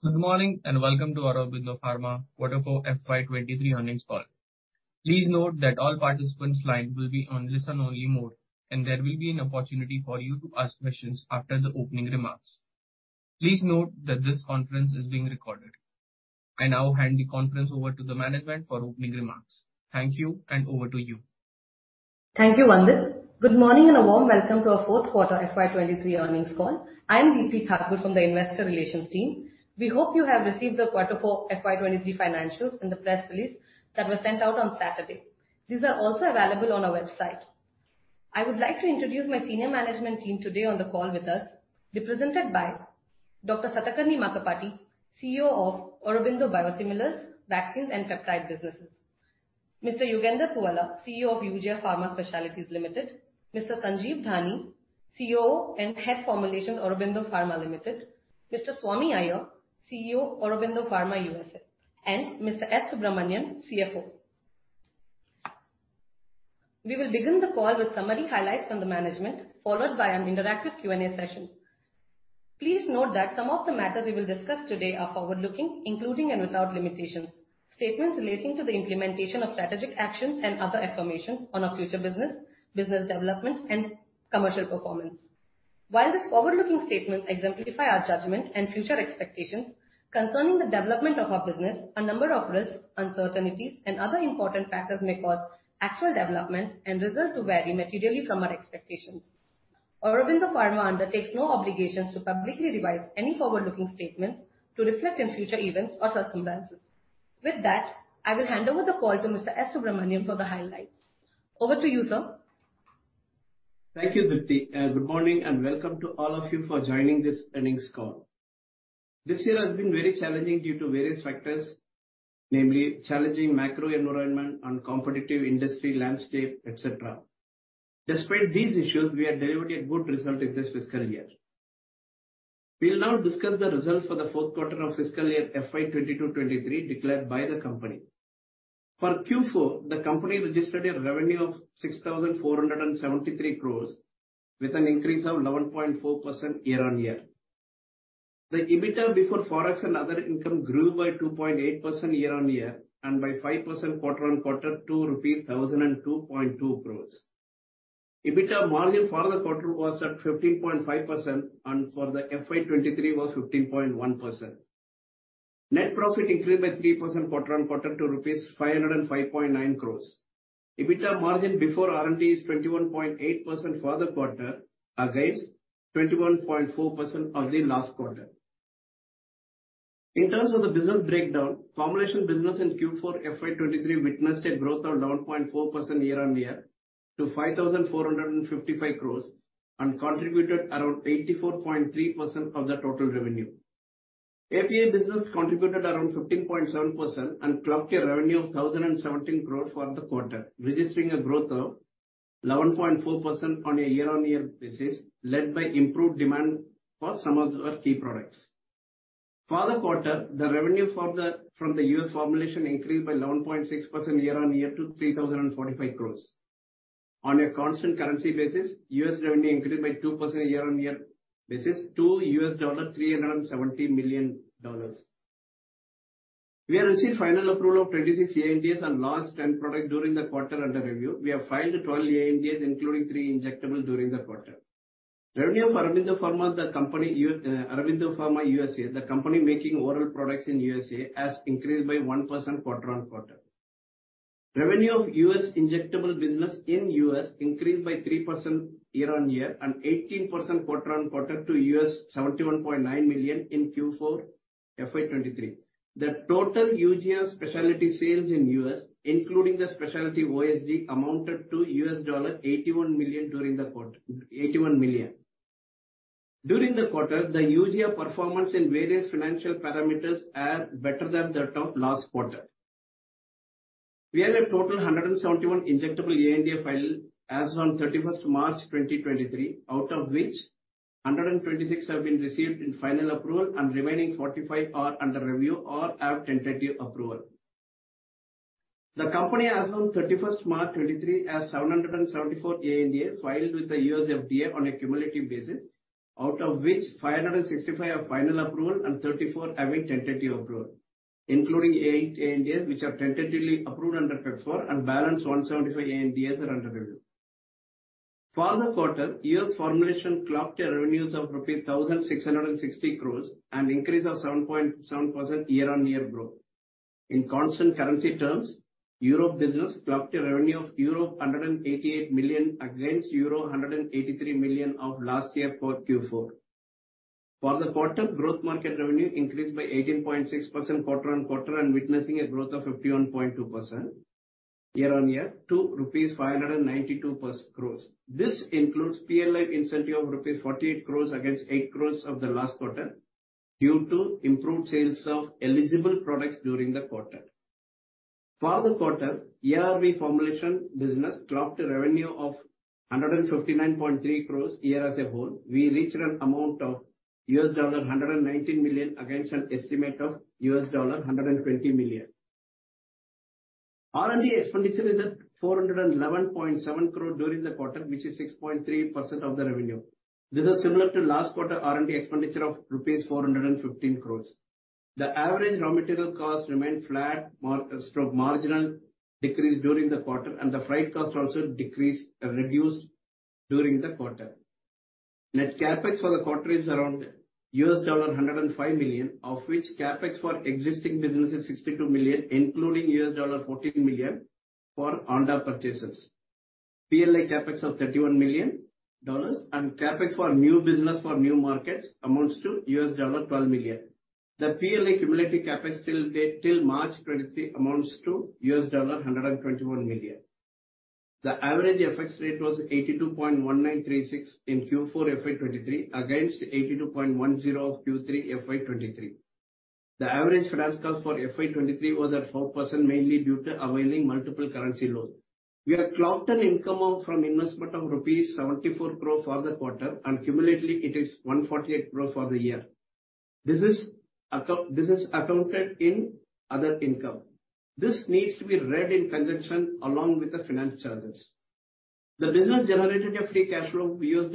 Good morning, welcome to Aurobindo Pharma Q4 FY 2023 earnings call. Please note that all participants' lines will be on listen-only mode, and there will be an opportunity for you to ask questions after the opening remarks. Please note that this conference is being recorded. I now hand the conference over to the management for opening remarks. Thank you, and over to you. Thank you, Vandit. Good morning, a warm welcome to our fourth quarter FY 2023 earnings call. I'm Deepti Thakur from the investor relations team. We hope you have received the quarter four FY 2023 financials and the press release that was sent out on Saturday. These are also available on our website. I would like to introduce my senior management team today on the call with us, represented by Dr. Satakarni Makkapati, CEO of Aurobindo Biosimilars, Vaccines and Peptide Businesses, Mr. Yugandhar Puvvala, CEO of Eugia Pharma Specialties Limited, Mr. Sanjeev Dani, CEO and Head Formulation, Aurobindo Pharma Limited, Mr. Swami Iyer, CEO, Aurobindo Pharma USA, Mr. S. Subramaniam, CFO. We will begin the call with summary highlights from the management, followed by an interactive Q&A session. Please note that some of the matters we will discuss today are forward-looking, including and without limitations, statements relating to the implementation of strategic actions and other affirmations on our future business development and commercial performance. While these forward-looking statements exemplify our judgment and future expectations concerning the development of our business, a number of risks, uncertainties and other important factors may cause actual development and results to vary materially from our expectations. Aurobindo Pharma undertakes no obligations to publicly revise any forward-looking statements to reflect on future events or circumstances. With that, I will hand over the call to Mr. S. Subramaniam for the highlights. Over to you, sir. Thank you, Deepti. Good morning, and welcome to all of you for joining this earnings call. This year has been very challenging due to various factors, namely challenging macro environment and competitive industry landscape, et cetera. Despite these issues, we have delivered a good result in this fiscal year. We'll now discuss the results for the fourth quarter of fiscal year FY 2022, 2023, declared by the company. For Q4, the company registered a revenue of 6,473 crores, with an increase of 11.4% year-on-year. The EBITDA before forex and other income grew by 2.8% year-on-year and by 5% quarter-on-quarter to rupees 1,002.2 crores. EBITDA margin for the quarter was at 15.5%, and for the FY 2023 was 15.1%. Net profit increased by 3% quarter-on-quarter to rupees 505.9 crores. EBITDA margin before RMD is 21.8% for the quarter, against 21.4% of the last quarter. In terms of the business breakdown, formulation business in Q4 FY 2023 witnessed a growth of 11.4% year-on-year to 5,455 crores and contributed around 84.3% of the total revenue. API business contributed around 15.7% and clocked a revenue of 1,017 crore for the quarter, registering a growth of 11.4% on a year-on-year basis, led by improved demand for some of our key products. For the quarter, the revenue from the U.S. formulation increased by 11.6% year-on-year to 3,045 crores. On a constant currency basis, U.S. revenue increased by 2% year-on-year basis to $370 million. We have received final approval of 26 ANDAs and launched 10 products during the quarter under review. We have filed 12 ANDAs, including three injectable, during the quarter. Revenue for Aurobindo Pharma USA, the company making oral products in U.S.A., has increased by 1% quarter-on-quarter. Revenue of U.S. injectable business in U.S. increased by 3% year-on-year and 18% quarter-on-quarter to $71.9 million in Q4 FY 2023. The total Eugia specialty sales in U.S., including the specialty OSD, amounted to $81 million during the quarter. During the quarter, the Eugia performance in various financial parameters are better than that of last quarter. We had a total 171 injectable ANDA filed as on March 31, 2023, out of which 126 have been received in final approval and remaining 45 are under review or have tentative approval. The company, as on March 31, 2023, has 774 ANDAs filed with the U.S. FDA on a cumulative basis, out of which 565 have final approval and 34 having tentative approval, including eight ANDAs, which are tentatively approved under PEPFAR and balance 175 ANDAs are under review. For the quarter, U.S. formulation clocked a revenues of rupees 1,660 crores, an increase of 7.7% year-on-year growth. In constant currency terms, Europe business clocked a revenue of euro 188 million, against euro 183 million of last year for Q4. For the quarter, growth market revenue increased by 18.6% quarter-on-quarter and witnessing a growth of 51.2% year-on-year to rupees 592 crores. This includes PLI incentive of rupees 48 crores against 8 crores of the last quarter due to improved sales of eligible products during the quarter. For the quarter, ARV formulation business clocked a revenue of 159.3 crores year as a whole. We reached an amount of $119 million, against an estimate of $120 million. R&D expenditure is at 411.7 crore during the quarter, which is 6.3% of the revenue. This is similar to last quarter R&D expenditure of rupees 415 crores. The average raw material cost remained flat, marginal decrease during the quarter, and the freight cost also decreased, reduced during the quarter. Net CapEx for the quarter is around $105 million, of which CapEx for existing business is $62 million, including $14 million for ANDA purchases. PLI CapEx of $31 million, and CapEx for new business for new markets amounts to $12 million. The PLI cumulative CapEx till date, till March 2023, amounts to $121 million. The average FX rate was 82.1936 in Q4 FY 2023, against 82.10 of Q3 FY 2023. The average finance cost for FY 2023 was at 4%, mainly due to availing multiple currency loans. We have clocked an income out from investment of rupees 74 crore for the quarter, and cumulatively it is 148 crore for the year. This is accounted in other income. This needs to be read in conjunction along with the finance charges. The business generated a free cash flow of $61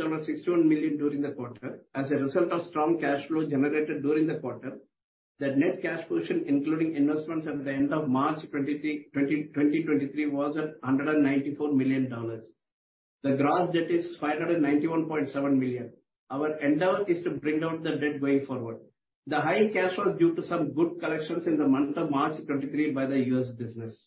million during the quarter. As a result of strong cash flow generated during the quarter, the net cash position, including investments at the end of March 2023, was at $194 million. The gross debt is $591.7 million. Our endeavor is to bring down the debt going forward. The high cash was due to some good collections in the month of March 2023 by the U.S. business.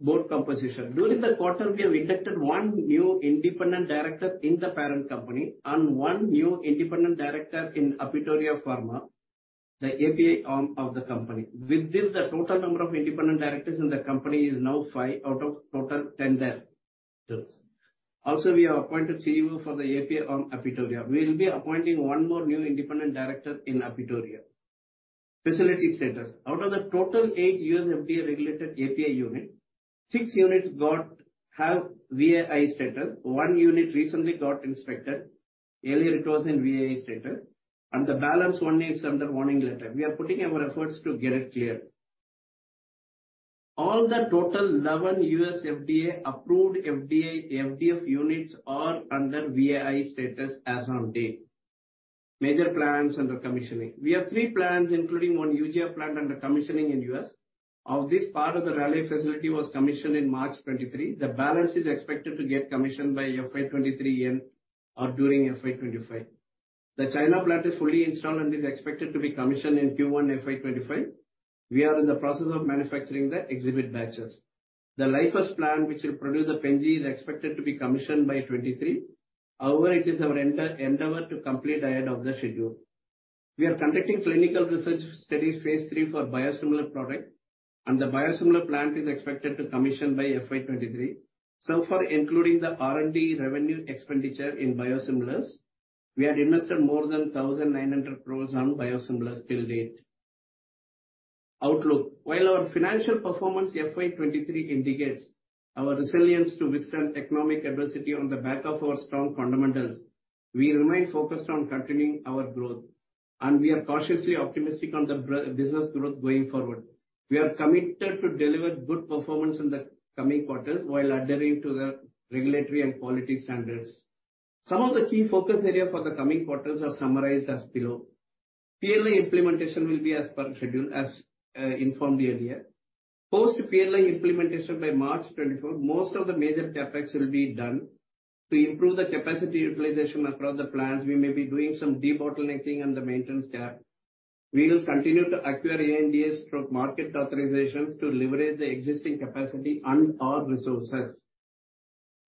Board Composition. During the quarter, we have inducted one new Independent Director in the parent company and one new Independent Director in Apitoria Pharma, the API arm of the company. With this, the total number of Independent Directors in the company is now five out of total 10 directors. We have appointed CEO for the API arm, Apitoria. We will be appointing one more new independent director in Apitoria. Facility status. Out of the total eight U.S. FDA-regulated API unit, six units have VAI status. One unit recently got inspected. Earlier, it was in VAI status, and the balance one is under warning letter. We are putting our efforts to get it clear. All the total 11 U.S. FDA-approved FDA units are under VAI status as on date. Major plans under commissioning. We have three plans, including one Eugia plant under commissioning in U.S. Of this, part of the Raleigh facility was commissioned in March 2023. The balance is expected to get commissioned by FY 2023 end or during FY 2025. The China plant is fully installed and is expected to be commissioned in Q1 FY 2025. We are in the process of manufacturing the exhibit batches. The Lyfius plant, which will produce the Pen-G, is expected to be commissioned by 2023. It is our endeavor to complete ahead of the schedule. We are conducting clinical research study phase III for biosimilar product, and the biosimilar plant is expected to commission by FY 2023. So far, including the R&D revenue expenditure in biosimilars, we have invested more than 1,900 crores on biosimilars till date. Outlook. While our financial performance FY 2023 indicates our resilience to withstand economic adversity on the back of our strong fundamentals, we remain focused on continuing our growth, and we are cautiously optimistic on the business growth going forward. We are committed to deliver good performance in the coming quarters while adhering to the regulatory and quality standards. Some of the key focus area for the coming quarters are summarized as below. PLI implementation will be as per schedule, as informed earlier. Post-PLI implementation by March 2024, most of the major CapEx will be done. To improve the capacity utilization across the plants, we may be doing some debottlenecking on the maintenance gap. We will continue to acquire ANDAs, stroke, market authorizations to leverage the existing capacity and our resources.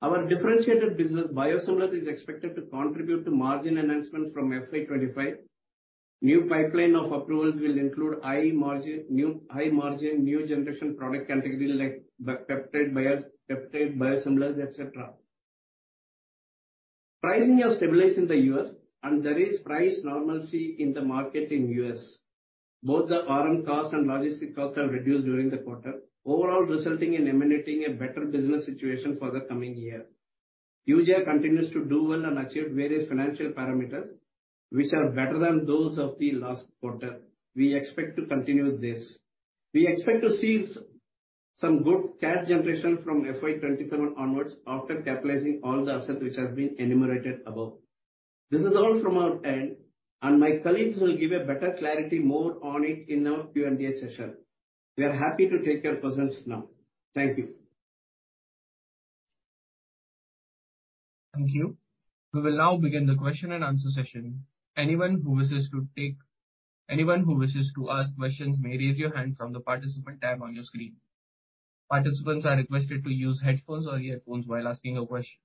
Our differentiated business, biosimilar, is expected to contribute to margin enhancement from FY 2025. New pipeline of approvals will include new, high-margin, new generation product categories like the peptide biosimilars, et cetera. Pricing have stabilized in the U.S., and there is price normalcy in the market in U.S. Both the RM cost and logistic cost are reduced during the quarter, overall resulting in emanating a better business situation for the coming year. Eugia continues to do well and achieve various financial parameters, which are better than those of the last quarter. We expect to continue this. We expect to see some good cash generation from FY 2027 onwards, after capitalizing all the assets which have been enumerated above. This is all from our end, my colleagues will give a better clarity more on it in our Q&A session. We are happy to take your questions now. Thank you. Thank you. We will now begin the question-and-answer session. Anyone who wishes to ask questions may raise your hand from the Participant tab on your screen. Participants are requested to use headphones or earphones while asking a question.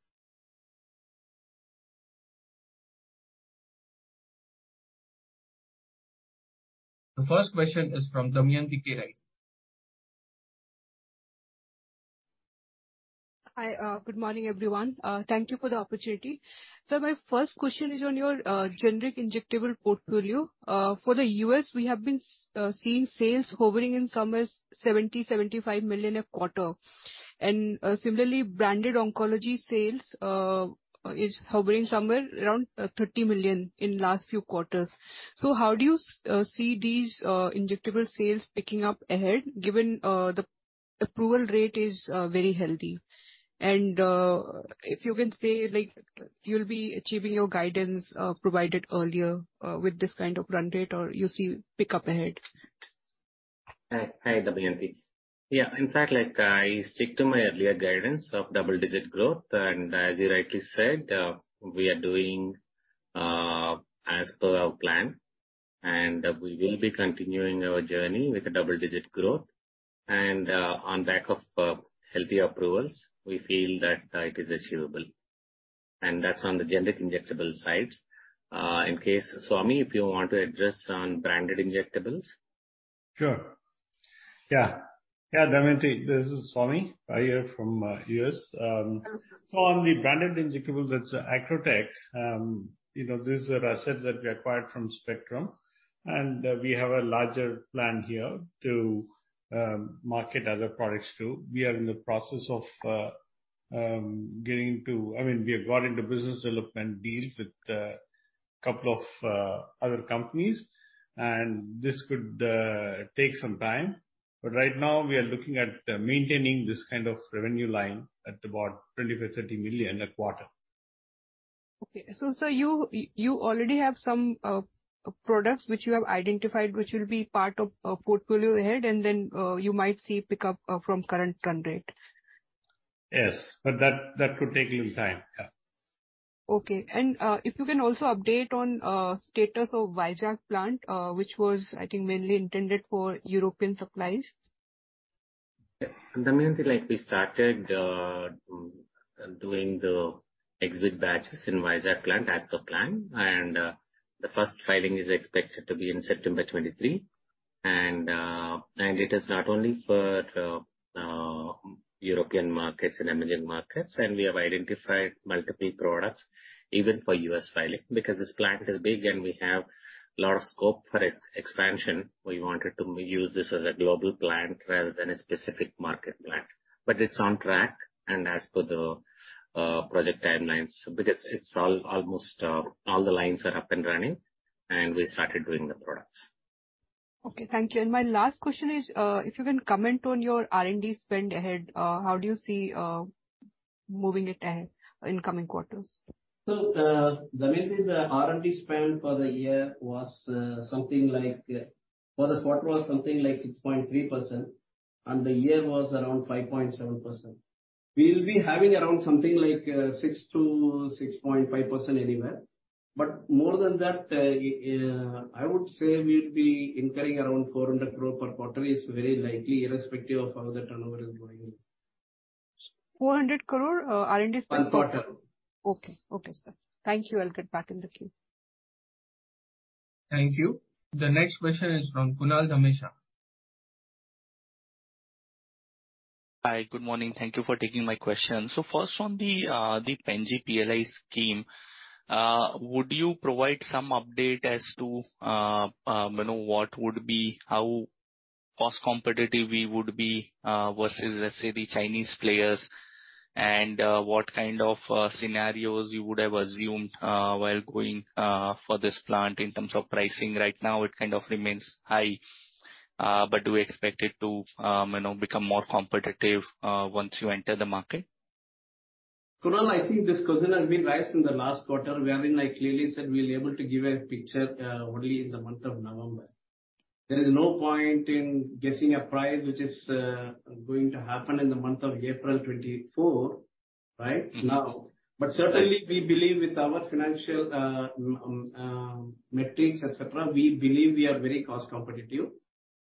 The first question is from Damayanti Kerai. Hi, good morning, everyone. Thank you for the opportunity. My first question is on your generic injectable portfolio. For the U.S., we have been seeing sales hovering in somewhere $70 million-$75 million a quarter. Similarly, branded oncology sales is hovering somewhere around $30 million in last few quarters. How do you see these injectable sales picking up ahead, given the approval rate is very healthy? If you can say, like, you'll be achieving your guidance provided earlier, with this kind of run rate, or you see pick up ahead? Hi, hi, Damayanti. Yeah, in fact, like I stick to my earlier guidance of double-digit growth, as you rightly said, we are doing as per our plan, and we will be continuing our journey with a double-digit growth. On back of healthy approvals, we feel that it is achievable. That's on the generic injectable side. In case, Swami, if you want to address on branded injectables. Sure. Damayanti, this is Swami Iyer from U.S. On the branded injectables, that's Acrotech. You know, this is an asset that we acquired from Spectrum, we have a larger plan here to market other products, too. We are in the process of I mean, we have got into business development deals with couple of other companies, this could take some time. Right now we are looking at maintaining this kind of revenue line at about $25 million-$30 million a quarter. Okay. You already have some products which you have identified, which will be part of a portfolio ahead, and then you might see pick up from current run rate? Yes, but that could take little time. Yeah. Okay. If you can also update on status of Vizag plant, which was, I think, mainly intended for European supplies. Damayanti, like, we started doing the exit batches in Vizag plant as per plan. The first filing is expected to be in September 2023. It is not only for European markets and emerging markets, and we have identified multiple products even for U.S. filing. Because this plant is big, and we have a lot of scope for expansion, we wanted to use this as a global plant rather than a specific market plant. It's on track, and as per the project timelines, because it's almost all the lines are up and running, and we started doing the products. Okay, thank you. My last question is, if you can comment on your R&D spend ahead, how do you see moving it ahead in coming quarters? Damayanti, the R&D spend for the year was something like for the quarter was something like 6.3%, and the year was around 5.7%. We will be having around something like 6% to 6.5% anywhere, but more than that, I would say we'll be incurring around 400 crore per quarter is very likely, irrespective of how the turnover is moving. 400 crore, R&D spend? Per quarter. Okay. Okay, sir. Thank you. I'll get back in the queue. Thank you. The next question is from Kunal Dhamesha. Hi, good morning. Thank you for taking my question. First on the Pen-G PLI scheme, would you provide some update as to, you know, how cost competitive we would be versus, let's say, the Chinese players? What kind of scenarios you would have assumed while going for this plant in terms of pricing? Right now, it kind of remains high, but do we expect it to, you know, become more competitive once you enter the market? Kunal, I think this question has been raised in the last quarter, wherein I clearly said we'll be able to give a picture only in the month of November. There is no point in guessing a price which is going to happen in the month of April 2024, right, now. Mm-hmm. Certainly, we believe with our financial metrics, et cetera, we believe we are very cost competitive,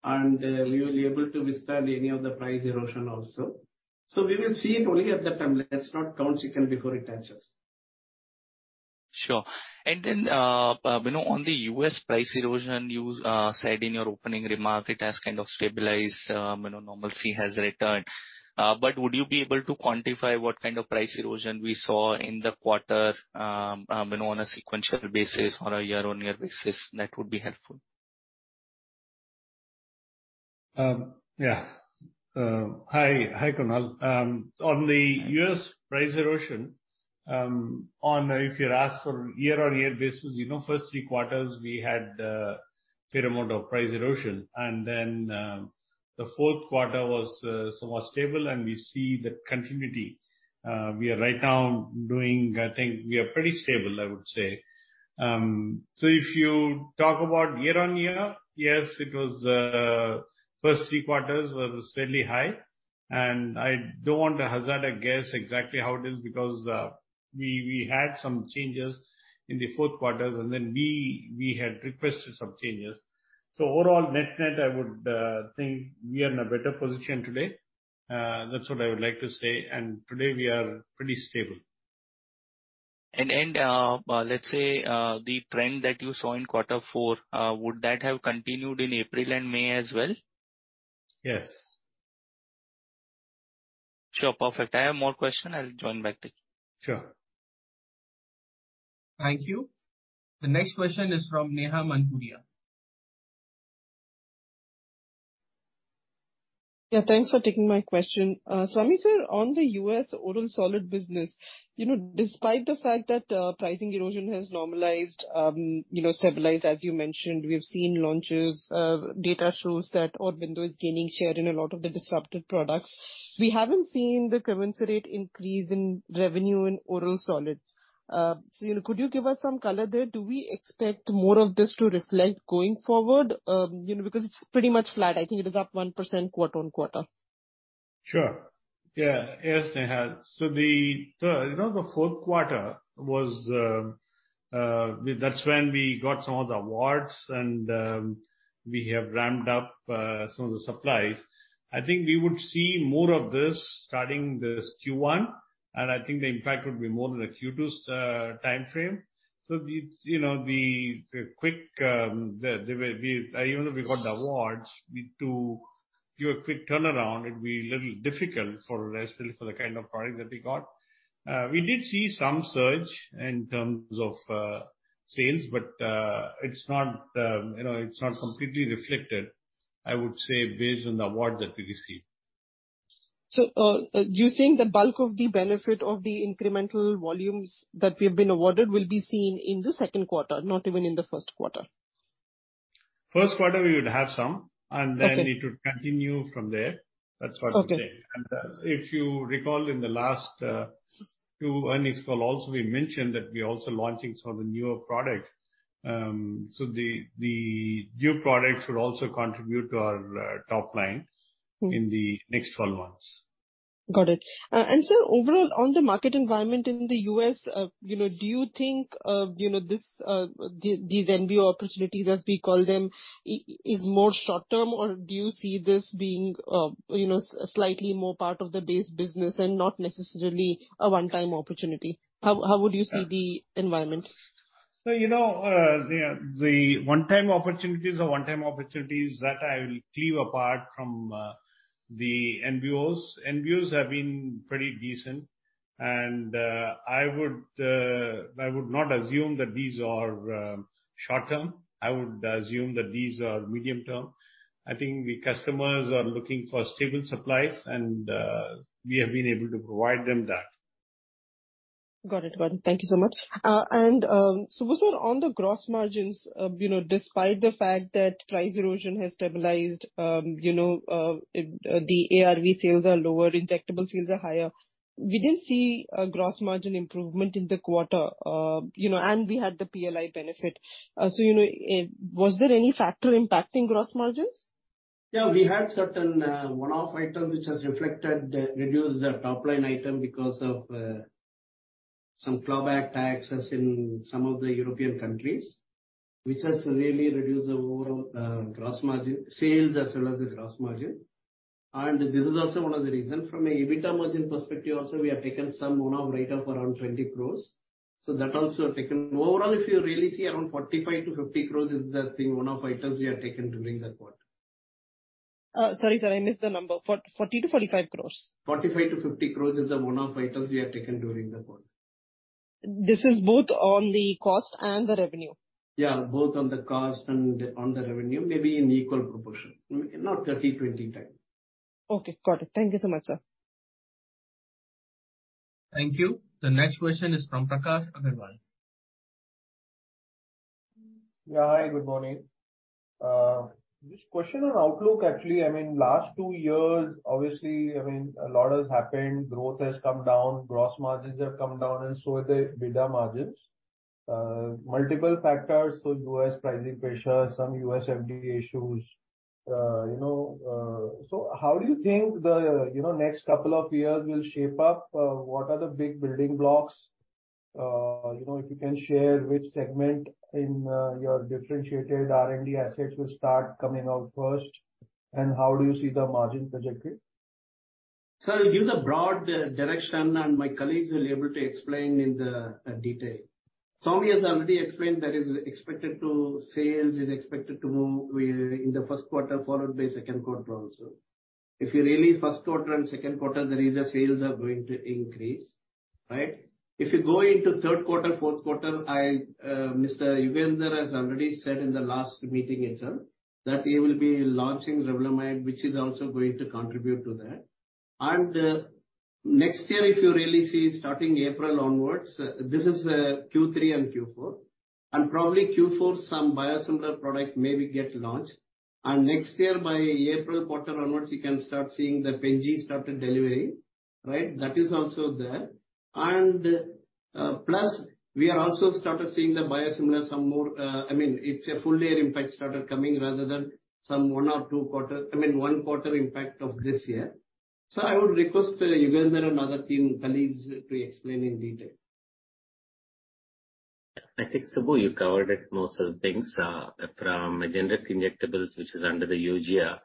and we will be able to withstand any of the price erosion also. We will see it only at that time. Let's not count chicken before it hatches. Sure. You know, on the U.S. price erosion, you said in your opening remark it has kind of stabilized, you know, normalcy has returned. Would you be able to quantify what kind of price erosion we saw in the quarter, you know, on a sequential basis or a year-on-year basis? That would be helpful. Yeah. Hi, hi, Kunal. On the U.S. price erosion, if you ask for year-on-year basis, you know, first three quarters, we had fair amount of price erosion, and then, the fourth quarter was somewhat stable, and we see the continuity. We are right now doing. I think we are pretty stable, I would say. If you talk about year-on-year, yes, it was, first three quarters were fairly high, and I don't want to hazard a guess exactly how it is, because, we had some changes in the fourth quarters, and then we had requested some changes. Overall, net-net, I would think we are in a better position today. That's what I would like to say, and today we are pretty stable. Let's say, the trend that you saw in quarter four, would that have continued in April and May as well? Yes. Sure. Perfect. I have more question. I'll join back to you. Sure. Thank you. The next question is from Neha Manpuria. Thanks for taking my question. Swami, sir, on the U.S. oral solid business, you know, despite the fact that pricing erosion has normalized, you know, stabilized, as you mentioned, we have seen launches. Data shows that Aurobindo is gaining share in a lot of the disrupted products. We haven't seen the commensurate increase in revenue in oral solids. You know, could you give us some color there? Do we expect more of this to reflect going forward? You know, because it's pretty much flat. I think it is up 1% quarter-on-quarter. Sure. Yeah. Yes, Neha. The, you know, the fourth quarter was. That's when we got some of the awards, and we have ramped up some of the supplies. I think we would see more of this starting this Q1, and I think the impact would be more in the Q2's time frame. The, you know, the quick, even if we got the awards, we do your quick turnaround, it'd be a little difficult for us for the kind of product that we got. We did see some surge in terms of sales, but it's not, you know, it's not completely reflected, I would say, based on the award that we received. Do you think the bulk of the benefit of the incremental volumes that we have been awarded will be seen in the second quarter, not even in the first quarter? First quarter, we would have some. Okay. Then it would continue from there. That's what I would say. Okay. If you recall, in the last two earnings call also, we mentioned that we're also launching some of the newer products. The new products should also contribute to our top line... Mm. in the next 12 months. Got it. Sir, overall, on the market environment in the U.S., you know, do you think, you know, this, the, these NBO opportunities, as we call them, is more short term, or do you see this being, you know, slightly more part of the base business and not necessarily a one-time opportunity? How would you see the environment? you know, the one-time opportunities are one-time opportunities that I will keep apart from the NBOs. NBOs have been pretty decent, I would not assume that these are short term. I would assume that these are medium term. I think the customers are looking for stable supplies, we have been able to provide them that. Got it. Got it. Thank you so much. Subbu, on the gross margins, you know, despite the fact that price erosion has stabilized, you know, the ARV sales are lower, injectable sales are higher, we didn't see a gross margin improvement in the quarter, you know, and we had the PLI benefit. Was there any factor impacting gross margins? We had certain one-off items which has reflected, reduced the top-line item because of some clawback taxes in some of the European countries, which has really reduced the overall gross margin, sales as well as the gross margin. This is also one of the reasons. From a EBITA margin perspective also, we have taken some one-off write-off around 20 crores. That also taken. Overall, if you really see around 45 crores-50 crores is the thing, one-off items we have taken during the quarter. Sorry, sir, I missed the number. 40 crores-45 crores? 45 crores-50 crores is the one-off items we have taken during the quarter. This is both on the cost and the revenue? Yeah, both on the cost and on the revenue, maybe in equal proportion, not 30/20 type. Okay, got it. Thank you so much, sir. Thank you. The next question is from Prakash Agarwal. Yeah. Hi, good morning. Just question on outlook, actually. I mean, last two years, obviously, I mean, a lot has happened. Growth has come down, gross margins have come down, and so have the EBITDA margins. Multiple factors, so U.S. pricing pressure, some U.S. FDA issues, you know. How do you think the, you know, next couple of years will shape up? What are the big building blocks? You know, if you can share which segment in your differentiated R&D assets will start coming out first, and how do you see the margin trajectory? I'll give the broad direction, and my colleagues will be able to explain in the detail. Swami has already explained sales is expected to move in the first quarter, followed by second quarter also. If you really first quarter and second quarter, there is the sales are going to increase, right? If you go into third quarter, fourth quarter, I, Mr. Yugandhar has already said in the last meeting itself, that we will be launching Revlimid, which is also going to contribute to that. Next year, if you really see, starting April onwards, this is Q3 and Q4, and probably Q4, some biosimilar product maybe get launched. Next year, by April quarter onwards, you can start seeing the Pen-G started delivering, right? That is also there. Plus, we are also started seeing the biosimilar some more, I mean, it's a full year impact started coming rather than some one or two quarters, I mean, one quarter impact of this year. I would request Yugandhar and other team colleagues to explain in detail. I think, Subbu, you covered it, most of the things. From a generic injectables, which is under the Eugia,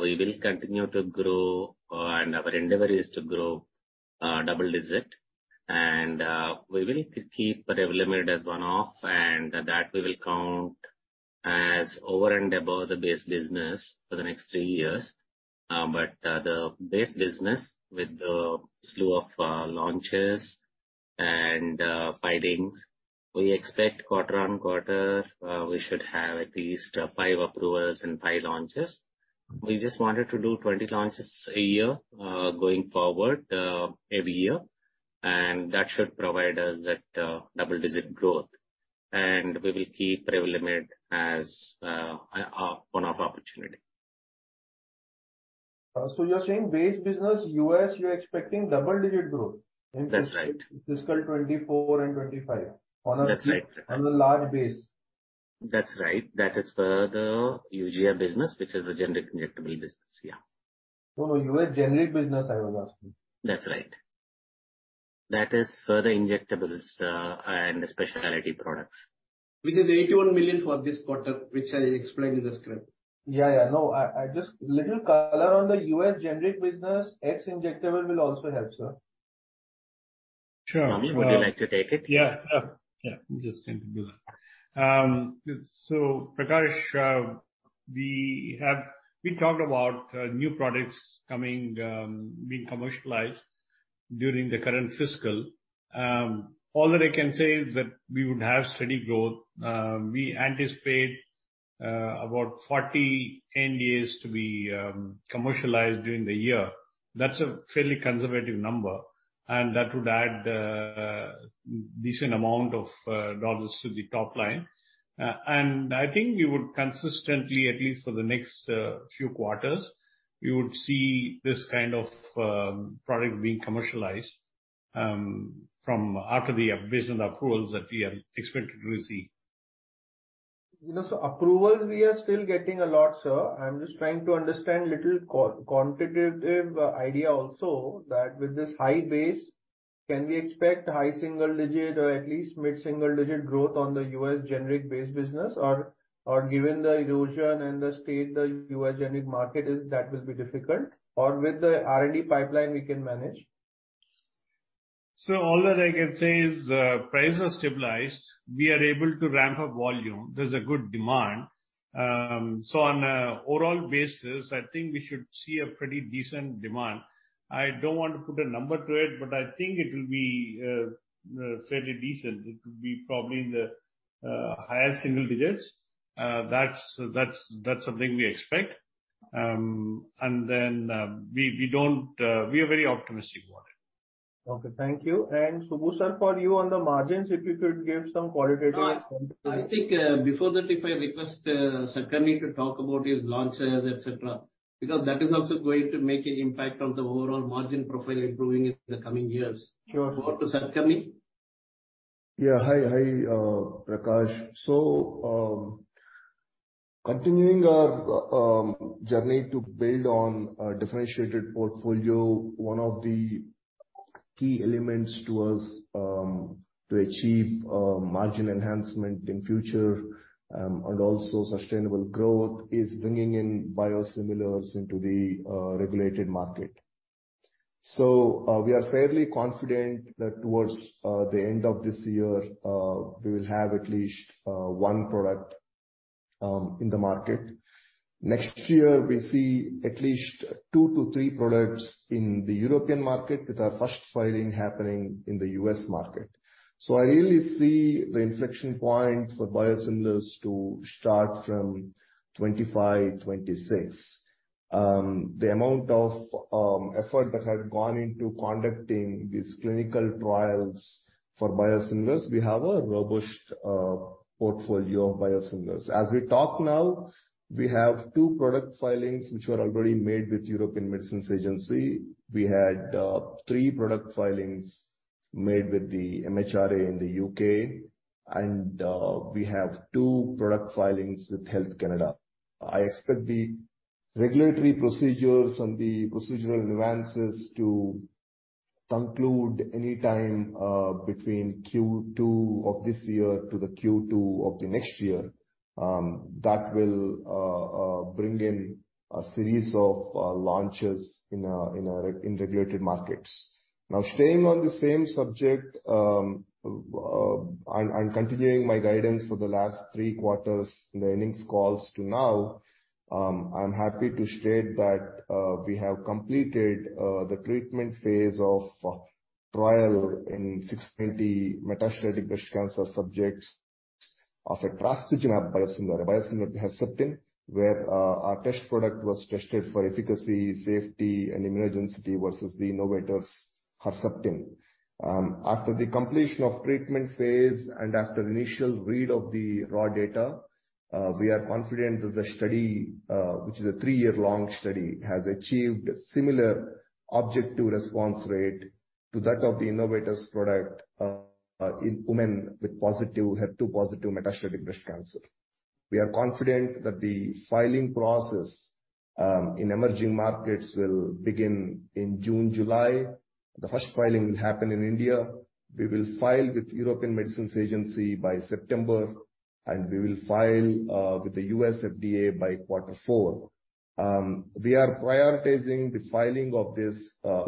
we will continue to grow, and our endeavor is to grow, double digit. We will keep Revlimid as one-off, and that we will count as over and above the base business for the next three years. The base business with the slew of launches and filings, we expect quarter on quarter, we should have at least five approvals and five launches. We just wanted to do 20 launches a year going forward every year, and that should provide us that double-digit growth. We will keep Revlimid as a one-off opportunity. You're saying base business, U.S., you're expecting double-digit growth? That's right. Fiscal 2024 and 2025 on. That's right. On a large base. That's right. That is for the Eugia business, which is the generic injectable business. Yeah. The U.S. generic business, I was asking. That's right. That is for the injectables, and the specialty products. Which is $81 million for this quarter, which I explained in the script. Yeah, yeah. No, I just little color on the U.S. generic business, ex injectable will also help, sir. Sure. Swami, would you like to take it? Yeah, I'm just going to do that. Prakash, we talked about new products coming, being commercialized during the current fiscal. All that I can say is that we would have steady growth. We anticipate about 40 ANDAs to be commercialized during the year. That's a fairly conservative number, and that would add decent amount of dollars to the top line. I think we would consistently, at least for the next few quarters, we would see this kind of product being commercialized from after the recent approvals that we are expected to receive. You know, approvals, we are still getting a lot, sir. I'm just trying to understand little quantitative idea also, that with this high base, can we expect high single digit or at least mid-single digit growth on the U.S. generic base business? Or given the erosion and the state, the U.S. generic market is, that will be difficult, or with the R&D pipeline, we can manage? All that I can say is, prices are stabilized. We are able to ramp up volume. There's a good demand. On a overall basis, I think we should see a pretty decent demand. I don't want to put a number to it, but I think it will be, fairly decent. It could be probably in the, higher single digits. That's something we expect. We don't, we are very optimistic about it. Okay, thank you. Subbu, sir, for you on the margins, if you could give some qualitative-? I think, before that, if I request Satakarni to talk about his launches, et cetera, because that is also going to make an impact on the overall margin profile improving in the coming years. Sure. Over to Satakarni. Yeah. Hi, hi, Prakash. Continuing our journey to build on a differentiated portfolio, one of the key elements to us to achieve margin enhancement in future, and also sustainable growth, is bringing in biosimilars into the regulated market. We are fairly confident that towards the end of this year, we will have at least one product in the market. Next year, we see at least two to three products in the European market, with our first filing happening in the U.S. market. I really see the inflection point for biosimilars to start from 2025, 2026. The amount of effort that had gone into conducting these clinical trials for biosimilars, we have a robust portfolio of biosimilars. As we talk now, we have two product filings which were already made with European Medicines Agency. We had three product filings made with the MHRA in the U.K., and we have two product filings with Health Canada. I expect the regulatory procedures and the procedural advances to conclude any time between Q2 of this year to the Q2 of the next year. That will bring in a series of launches in regulated markets. Staying on the same subject, and continuing my guidance for the last three quarters in the earnings calls to now, I'm happy to state that we have completed the treatment phase of trial in six monthly metastatic breast cancer subjects of a Trastuzumab biosimilar, a biosimilar Herceptin, where our test product was tested for efficacy, safety, and immunogenicity versus the innovator's Herceptin. After the completion of treatment phase and after initial read of the raw data, we are confident that the study, which is a three-year-long study, has achieved similar objective response rate to that of the innovator's product, in women with positive, HER2-positive metastatic breast cancer. We are confident that the filing process in emerging markets will begin in June, July. The first filing will happen in India. We will file with European Medicines Agency by September, and we will file with the U.S. FDA by quarter four. We are prioritizing the filing of this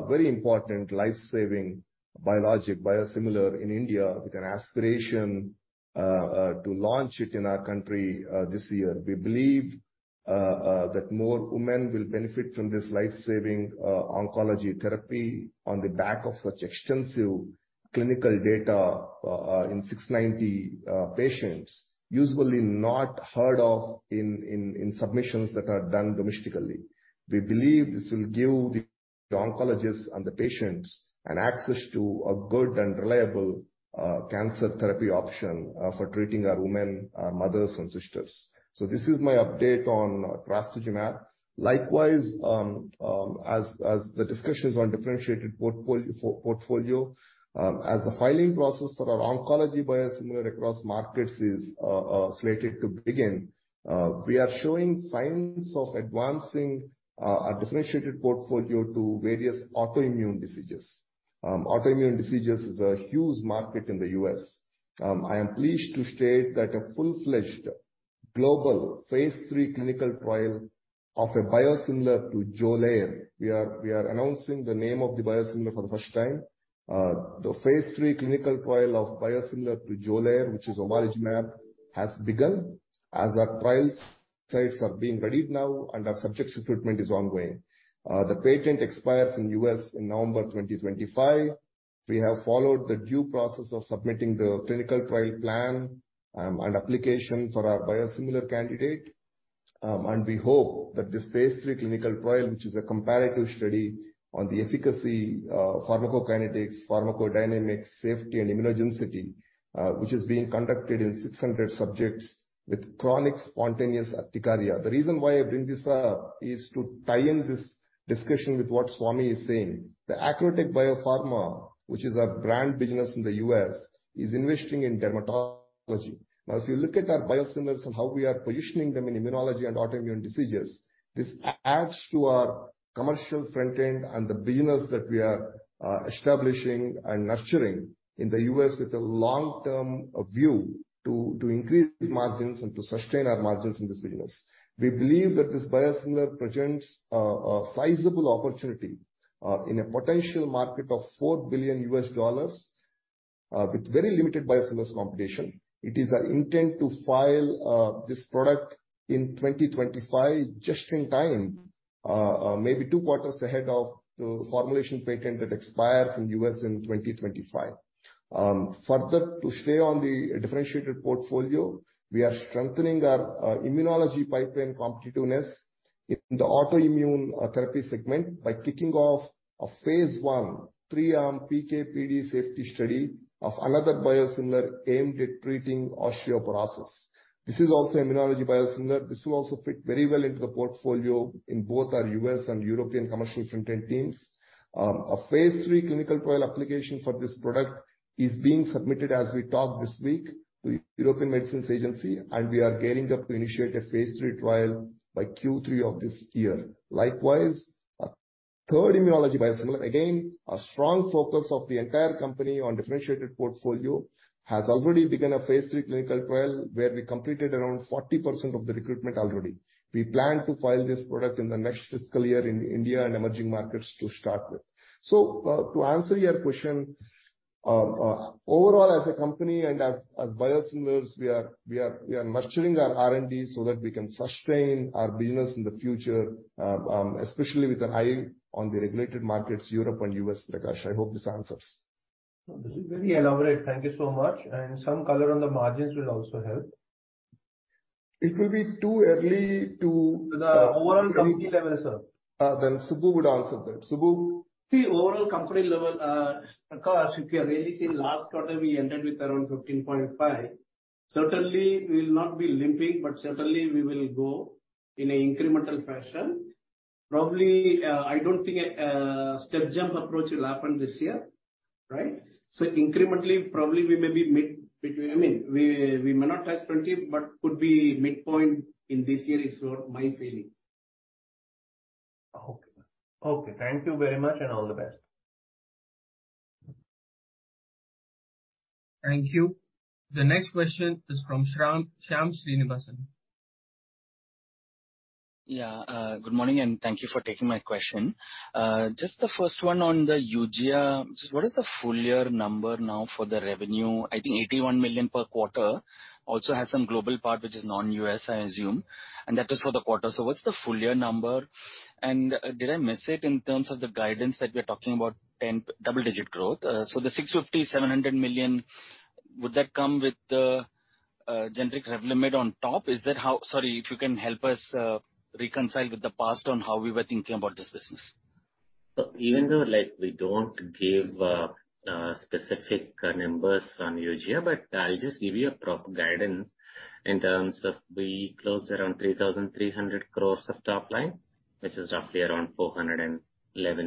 very important life-saving biologic biosimilar in India, with an aspiration to launch it in our country this year. We believe that more women will benefit from this life-saving oncology therapy on the back of such extensive clinical data in 690 patients, usually not heard of in submissions that are done domestically. We believe this will give the oncologists and the patients an access to a good and reliable cancer therapy option for treating our women, mothers and sisters. This is my update on Trastuzumab. Likewise, as the discussions on differentiated portfolio, as the filing process for our oncology biosimilar across markets is slated to begin, we are showing signs of advancing our differentiated portfolio to various autoimmune diseases. Autoimmune diseases is a huge market in the U.S. I am pleased to state that a full-fledged global phase III clinical trial of a biosimilar to Xolair, we are announcing the name of the biosimilar for the first time. The phase III clinical trial of biosimilar to Xolair, which is Omalizumab, has begun as our trial sites are being readied now, and our subjects recruitment is ongoing. The patent expires in U.S. in November 2025. We have followed the due process of submitting the clinical trial plan and application for our biosimilar candidate. We hope that this phase III clinical trial, which is a comparative study on the efficacy, pharmacokinetics, pharmacodynamics, safety, and immunogenicity, which is being conducted in 600 subjects with chronic spontaneous urticaria. The reason why I bring this up is to tie in this discussion with what Swami is saying. Acrotech Biopharma, which is our brand business in the U.S., is investing in dermatology. If you look at our biosimilars and how we are positioning them in immunology and autoimmune diseases, this adds to our commercial front end and the business that we are establishing and nurturing in the U.S. with a long-term view to increase margins and to sustain our margins in this business. We believe that this biosimilar presents a sizable opportunity in a potential market of $4 billion with very limited biosimilars competition. It is our intent to file this product in 2025, just in time, maybe two quarters ahead of the formulation patent that expires in U.S. in 2025. Further, to stay on the differentiated portfolio, we are strengthening our immunology pipeline competitiveness in the autoimmune therapy segment by kicking off a phase I three-arm PK/PD safety study of another biosimilar aimed at treating osteoporosis. This is also immunology biosimilar. This will also fit very well into the portfolio in both our U.S. and European commercial front end teams. A phase III clinical trial application for this product is being submitted as we talk this week to European Medicines Agency, and we are gearing up to initiate a phase III trial by Q3 of this year. Likewise, a third immunology biosimilar, again, a strong focus of the entire company on differentiated portfolio, has already begun a phase III clinical trial, where we completed around 40% of the recruitment already. We plan to file this product in the next fiscal year in India and emerging markets to start with. To answer your question, overall, as a company and as biosimilars, we are nurturing our R&D so that we can sustain our business in the future, especially with an eye on the regulated markets, Europe and U.S., Prakash. I hope this answers. This is very elaborate. Thank you so much, and some color on the margins will also help. It will be too early to. The overall company level, sir. Subbu would answer that. Subbu? The overall company level, because if you have really seen last quarter, we ended with around 15.5. Certainly, we will not be limping, but certainly we will go in an incremental fashion. Probably, I don't think a step jump approach will happen this year, right? Incrementally, probably we may be mid between, I mean, we may not touch 20, but could be midpoint in this year, is my feeling. Okay. Okay, thank you very much, and all the best. Thank you. The next question is from Shyam Srinivasan. Good morning, and thank you for taking my question. Just the first one on the Eugia, what is the full year number now for the revenue? I think $81 million per quarter, also has some global part, which is non-U.S., I assume, and that is for the quarter. What's the full year number? Did I miss it in terms of the guidance that we are talking about double digit growth? The $650 million-$700 million, would that come with the generic Revlimid on top? Is that how? Sorry, if you can help us reconcile with the past on how we were thinking about this business. Even though, like, we don't give specific numbers on Eugia, I'll just give you a proper guidance in terms of we closed around 3,300 crores of top line. This is roughly around $411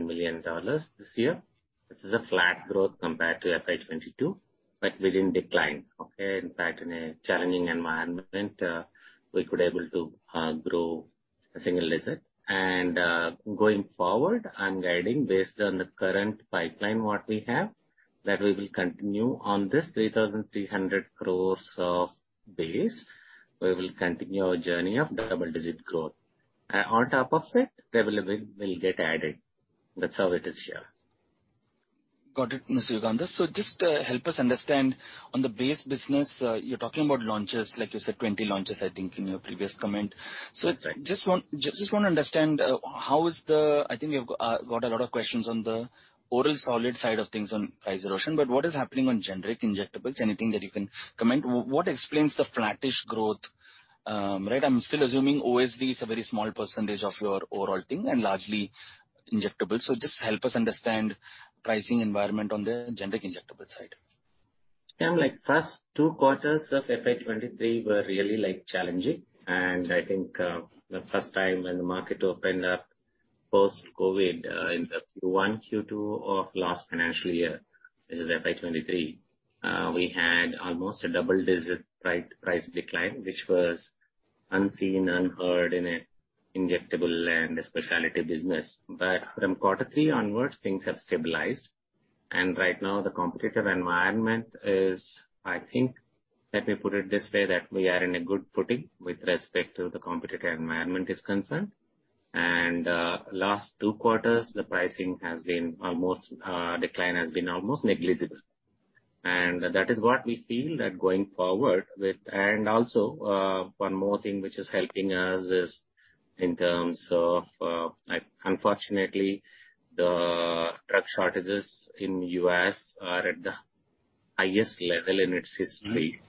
million this year. This is a flat growth compared to FY 2022, we didn't decline. Okay? In fact, in a challenging environment, we could able to grow a single digit. Going forward, I'm guiding based on the current pipeline, what we have, that we will continue on this 3,300 crores of base. We will continue our journey of double digit growth. On top of it, Revlimid will get added. That's how it is here. Got it, Mr. Yugandhar. Just help us understand, on the base business, you're talking about launches, like you said, 20 launches, I think, in your previous comment. That's right. Just want to understand how is the... I think we have got a lot of questions on the oral solid side of things on price erosion, but what is happening on generic injectables? Anything that you can comment? What explains the flattish growth, right? I'm still assuming OSD is a very small percentage of your overall thing and largely injectable. Just help us understand pricing environment on the generic injectable side. Yeah, like first two quarters of FY 2023 were really, like, challenging. I think, the first time when the market opened up post-COVID, in the Q1, Q2 of last financial year, which is FY 2023, we had almost a double-digit price decline, which was unseen, unheard in a injectable and a specialty business. From quarter three onwards, things have stabilized, and right now, the competitive environment is, I think, let me put it this way, that we are in a good footing with respect to the competitive environment is concerned. Last two quarters, the pricing has been almost, decline has been almost negligible. That is what we feel that going forward. Also, one more thing which is helping us is in terms of, like unfortunately, the drug shortages in U.S. are at the highest level in its history.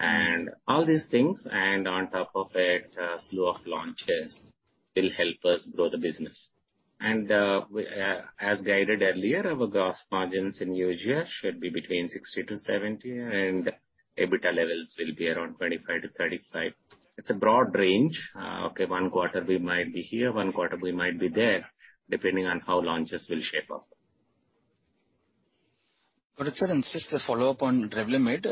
Mm-hmm. All these things, and on top of it, a slew of launches will help us grow the business. As guided earlier, our gross margins in new year should be between 60%-70%, and EBITDA levels will be around 25%-35%. It's a broad range. Okay, one quarter we might be here, one quarter we might be there, depending on how launches will shape up. Got it, sir. Just a follow-up on Revlimid.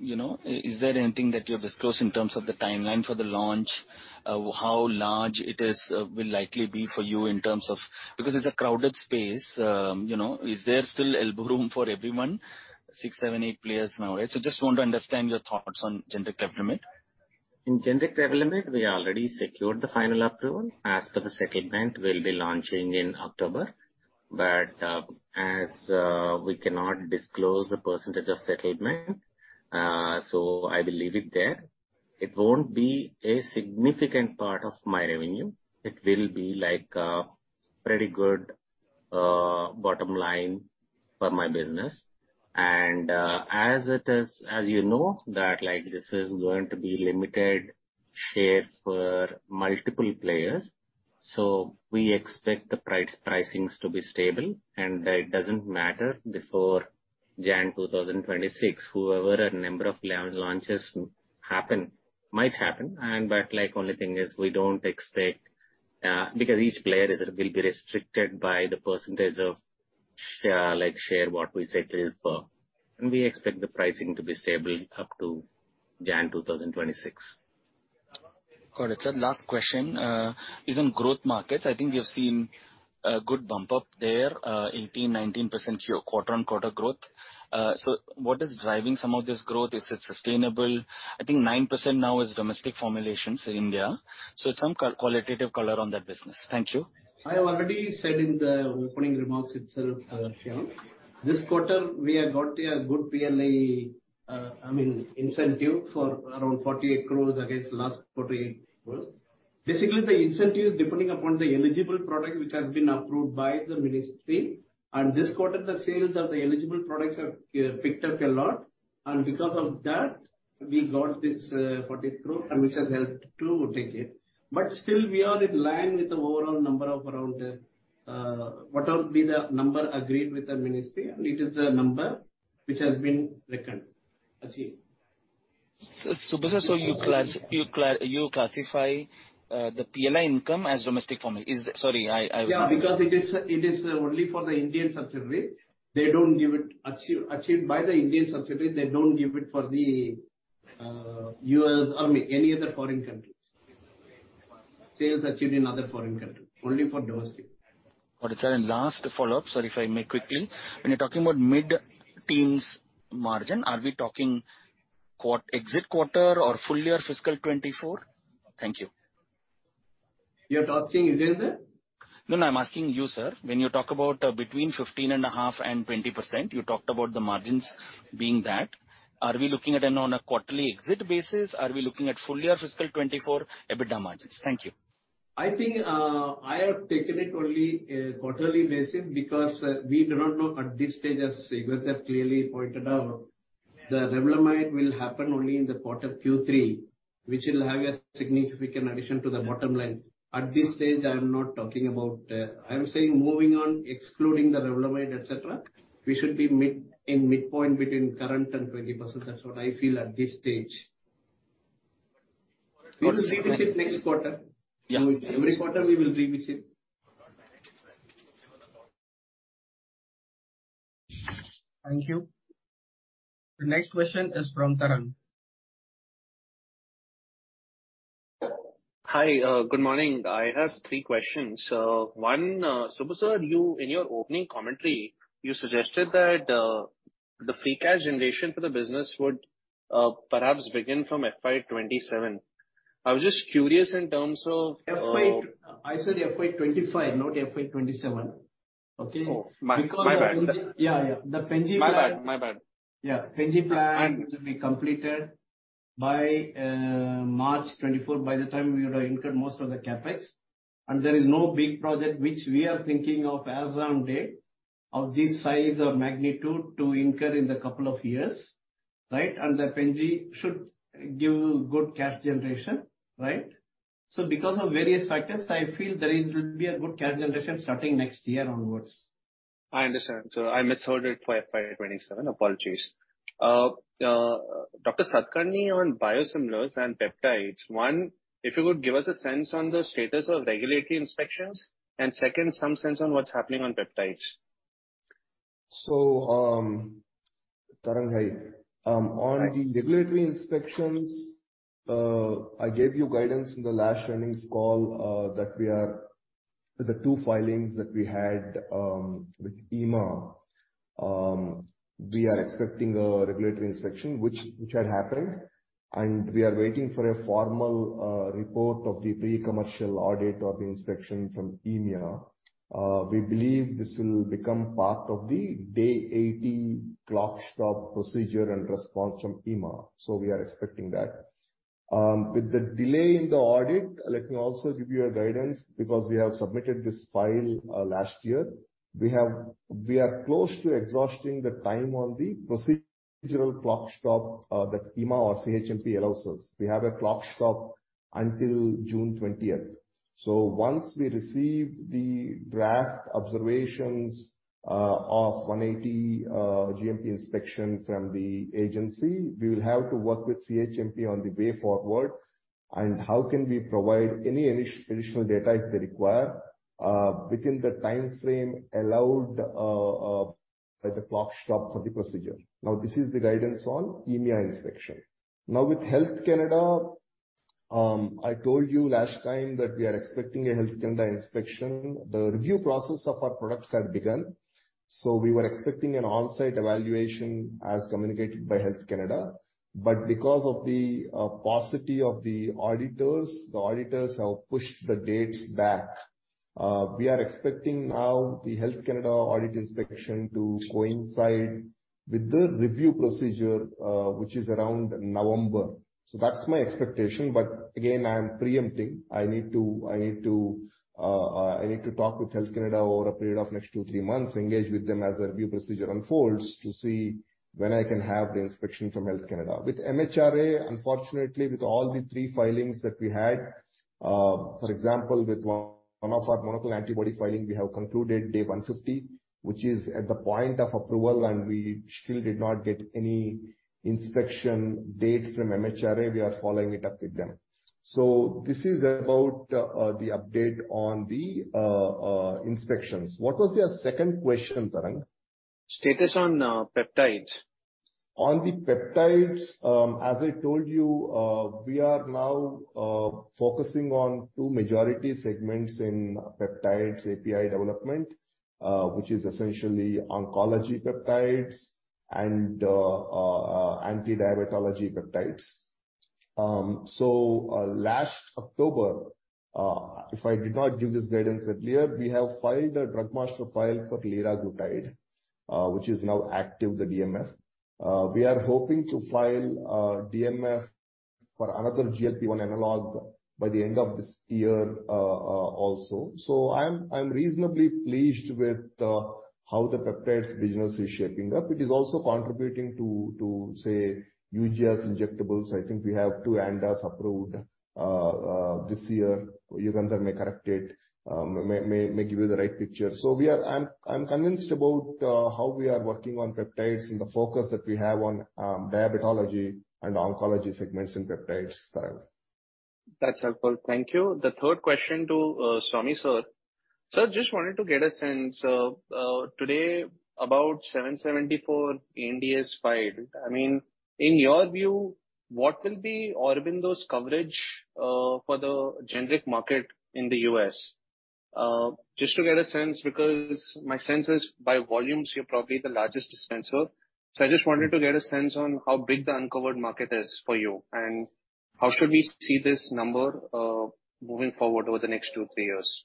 You know, is there anything that you have disclosed in terms of the timeline for the launch? How large it is, will likely be for you in terms of... Because it's a crowded space, you know. Is there still elbow room for everyone? Six, seven, eight players now, right? Just want to understand your thoughts on generic Revlimid. In generic Revlimid, we already secured the final approval. As per the settlement, we'll be launching in October, we cannot disclose the percentage of settlement, so I will leave it there. It won't be a significant part of my revenue. It will be like a pretty good bottom line for my business. as it is, as you know, that like this is going to be limited share for multiple players, so we expect the pricing to be stable, and it doesn't matter before January 2026, whoever a number of launches happen, might happen, only thing is we don't expect because each player is, will be restricted by the percentage of share what we settled for, and we expect the pricing to be stable up to January 2026. Got it, sir. Last question, is on growth markets. I think we have seen a good bump up there, 18%-19% year, quarter-on-quarter growth. What is driving some of this growth? Is it sustainable? I think 9% now is domestic formulations in India, so some qualitative color on that business. Thank you. I have already said in the opening remarks itself, Shyam. This quarter, we have got a good PLI, I mean, incentive for around 48 crore against last 48 crore. Basically, the incentive is depending upon the eligible product, which has been approved by the ministry, and this quarter, the sales of the eligible products have picked up a lot, and because of that, we got this, 40 crore and which has helped to take it. Still, we are in line with the overall number of around, what would be the number agreed with the ministry, and it is the number which has been reckoned, achieved. Subbu sir, you classify the PLI income as domestic formula? Is that? Sorry, I. Because it is only for the Indian subsidiary. They don't give it achieved by the Indian subsidiary, they don't give it for the U.S. or any other foreign countries. Sales achieved in other foreign countries, only for domestic. Got it, sir. Last follow-up, sorry, if I may quickly. When you're talking about mid-teens margin, are we talking exit quarter or full year fiscal 2024? Thank you. You are asking it is the? No, no, I'm asking you, sir. When you talk about between 15.5% and 20%, you talked about the margins being that. Are we looking at it on a quarterly exit basis? Are we looking at full year fiscal 2024 EBITDA margins? Thank you. I think, I have taken it only a quarterly basis because, we do not know at this stage, as Yugandhar clearly pointed out, the Revlimid will happen only in the quarter Q3, which will have a significant addition to the bottom line. At this stage, I'm not talking about, I'm saying moving on, excluding the Revlimid, et cetera, we should be in midpoint between current and 20%. That's what I feel at this stage. We will previsit next quarter. Yeah. Every quarter, we will previsit. Thank you. The next question is from Tarang. Hi, good morning. I have three questions. One, Subbu sir, you, in your opening commentary, you suggested that The free cash generation for the business would perhaps begin from FY 2027. I was just curious in terms of. I said FY 2025, not FY 2027, okay? Oh, my bad. Yeah, yeah. My bad. Yeah, Pen-G plan will be completed by March 2024, by the time we would have incurred most of the CapEx. There is no big project which we are thinking of as on date, of this size or magnitude to incur in the couple of years, right? The Pen-G should give good cash generation, right? Because of various factors, I feel there will be a good cash generation starting next year onwards. I understand. I misheard it for FY 2027. Apologies. Dr. Satakarni, on biosimilars and peptides, one, if you could give us a sense on the status of regulatory inspections, and second, some sense on what's happening on peptides. Tarang, hi. On the regulatory inspections, I gave you guidance in the last earnings call that we are. The two filings that we had with EMEA, we are expecting a regulatory inspection, which had happened, and we are waiting for a formal report of the pre-commercial audit or the inspection from EMEA. We believe this will become part of the day 80 clock stop procedure and response from EMEA, so we are expecting that. With the delay in the audit, let me also give you a guidance because we have submitted this file last year. We are close to exhausting the time on the procedural clock stop that EMEA or CHMP allows us. We have a clock stop until June 20th. Once we receive the draft observations of 180 GMP inspection from the agency, we will have to work with CHMP on the way forward, and how can we provide any additional data if they require within the time frame allowed by the clock stop for the procedure. This is the guidance on EMEA inspection. With Health Canada, I told you last time that we are expecting a Health Canada inspection. The review process of our products had begun, so we were expecting an on-site evaluation as communicated by Health Canada. Because of the paucity of the auditors, the auditors have pushed the dates back. We are expecting now the Health Canada audit inspection to coincide with the review procedure, which is around November. That's my expectation, but again, I am preempting. I need to talk with Health Canada over a period of next two, three months, engage with them as the review procedure unfolds, to see when I can have the inspection from Health Canada. With MHRA, unfortunately, with all the three filings that we had, for example, with one of our monoclonal antibody filing, we have concluded day 150, which is at the point of approval, and we still did not get any inspection date from MHRA. We are following it up with them. This is about the update on the inspections. What was your second question, Tarang? Status on peptides. On the peptides, as I told you, we are now focusing on two majority segments in peptides API development, which is essentially oncology peptides and antidiabetology peptides. Last October, if I did not give this guidance earlier, we have filed a Drug Master File for liraglutide, which is now active, the DMF. We are hoping to file a DMF for another GLP-1 analog by the end of this year also. I'm reasonably pleased with how the peptides business is shaping up. It is also contributing to, say, Eugia injectables. I think we have two ANDAs approved this year. Yugandhar may correct it, may give you the right picture. We are... I'm convinced about how we are working on peptides and the focus that we have on diabetology and oncology segments in peptides, Tarang. That's helpful. Thank you. The third question to Swami Sir. Sir, just wanted to get a sense of today about 774 ANDAs filed. I mean, in your view, what will be Aurobindo's coverage for the generic market in the U.S.? Just to get a sense, because my sense is, by volumes, you're probably the largest dispenser. I just wanted to get a sense on how big the uncovered market is for you, and how should we see this number moving forward over the next two, three years?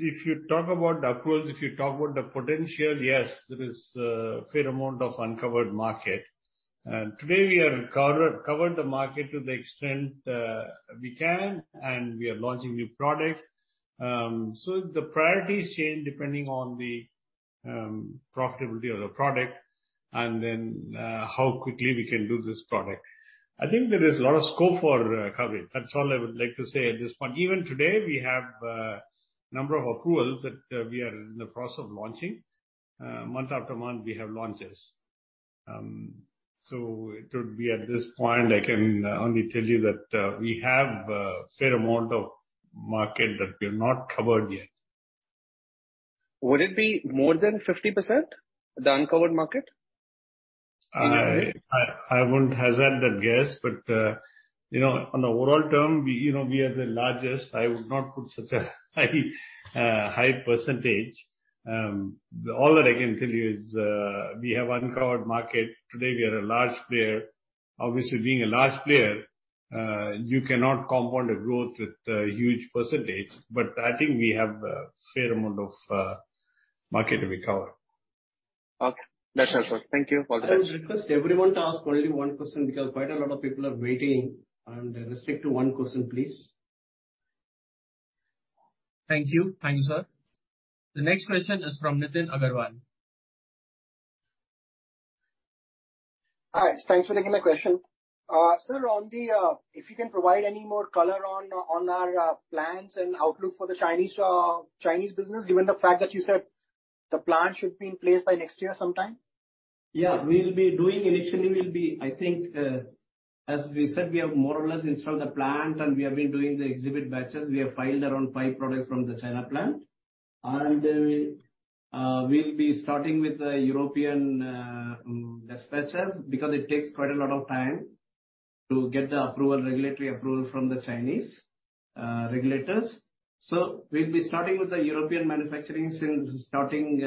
If you talk about approvals, if you talk about the potential, yes, there is a fair amount of uncovered market. Today, we are covered the market to the extent we can, and we are launching new products. The priorities change depending on the profitability of the product and then how quickly we can do this product. I think there is a lot of scope for coverage. That's all I would like to say at this point. Even today, we have number of approvals that we are in the process of launching. Month after month, we have launches. It would be at this point, I can only tell you that we have a fair amount of market that we have not covered yet. Would it be more than 50%, the uncovered market? I won't hazard a guess, but, you know, on the overall term, we, you know, we are the largest. I would not put such a high percentage. All that I can tell you is, we have uncovered market. Today, we are a large player. Obviously, being a large player, you cannot compound the growth with huge percentage, but I think we have a fair amount of market to recover. Okay, that's helpful. Thank you for that. I would request everyone to ask only one question, because quite a lot of people are waiting. Restrict to one question, please. Thank you. Thanks, sir. The next question is from Nitin Agarwal. Hi, thanks for taking my question. Sir, on the, if you can provide any more color on our plans and outlook for the Chinese business, given the fact that you said the plant should be in place by next year sometime? Yeah, we'll be doing initially, I think, as we said, we have more or less installed the plant, and we have been doing the exhibit batches. We have filed around five products from the China plant. We'll be starting with the European dispatcher, because it takes quite a lot of time to get the approval, regulatory approval from the Chinese regulators. We'll be starting with the European manufacturing since starting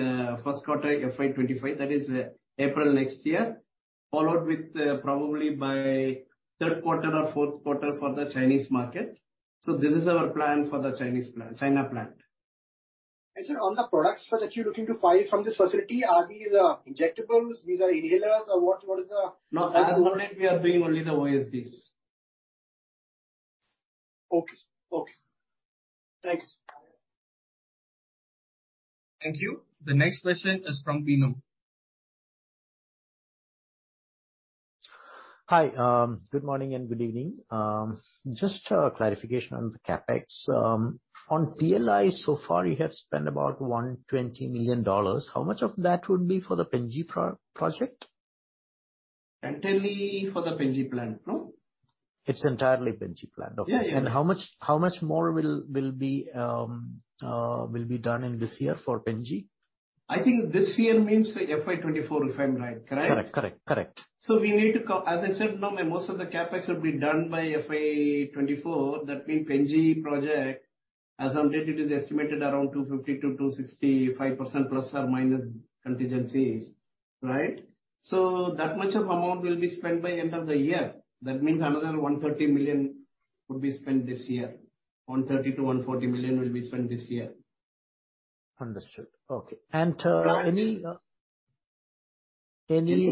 first quarter FY 2025, that is, April next year, followed with probably by third quarter or fourth quarter for the Chinese market. This is our plan for the Chinese plant. Sir, on the products for that you're looking to file from this facility, are these injectables? These are inhalers or what is the- No, as of now we are doing only the OSDs. Okay. Okay. Thanks. Thank you. The next question is from Bino. Hi, good morning and good evening. Just a clarification on the CapEx. On PLI, so far you have spent about $120 million. How much of that would be for the Pen-G project? Entirely for the Pen-G plant, no? It's entirely Pen-G plant. Yeah, yeah. Okay, how much more will be done in this year for Pen-G? I think this year means the FY 2024, if I'm right. Correct? Correct, correct. As I said, no, most of the CapEx will be done by FY 2024. Pen-G project, as on date, it is estimated around 250%-265% ± contingencies, right. That much of amount will be spent by end of the year. Another $130 million would be spent this year. $130 million-$140 million will be spent this year. Understood. Okay. Any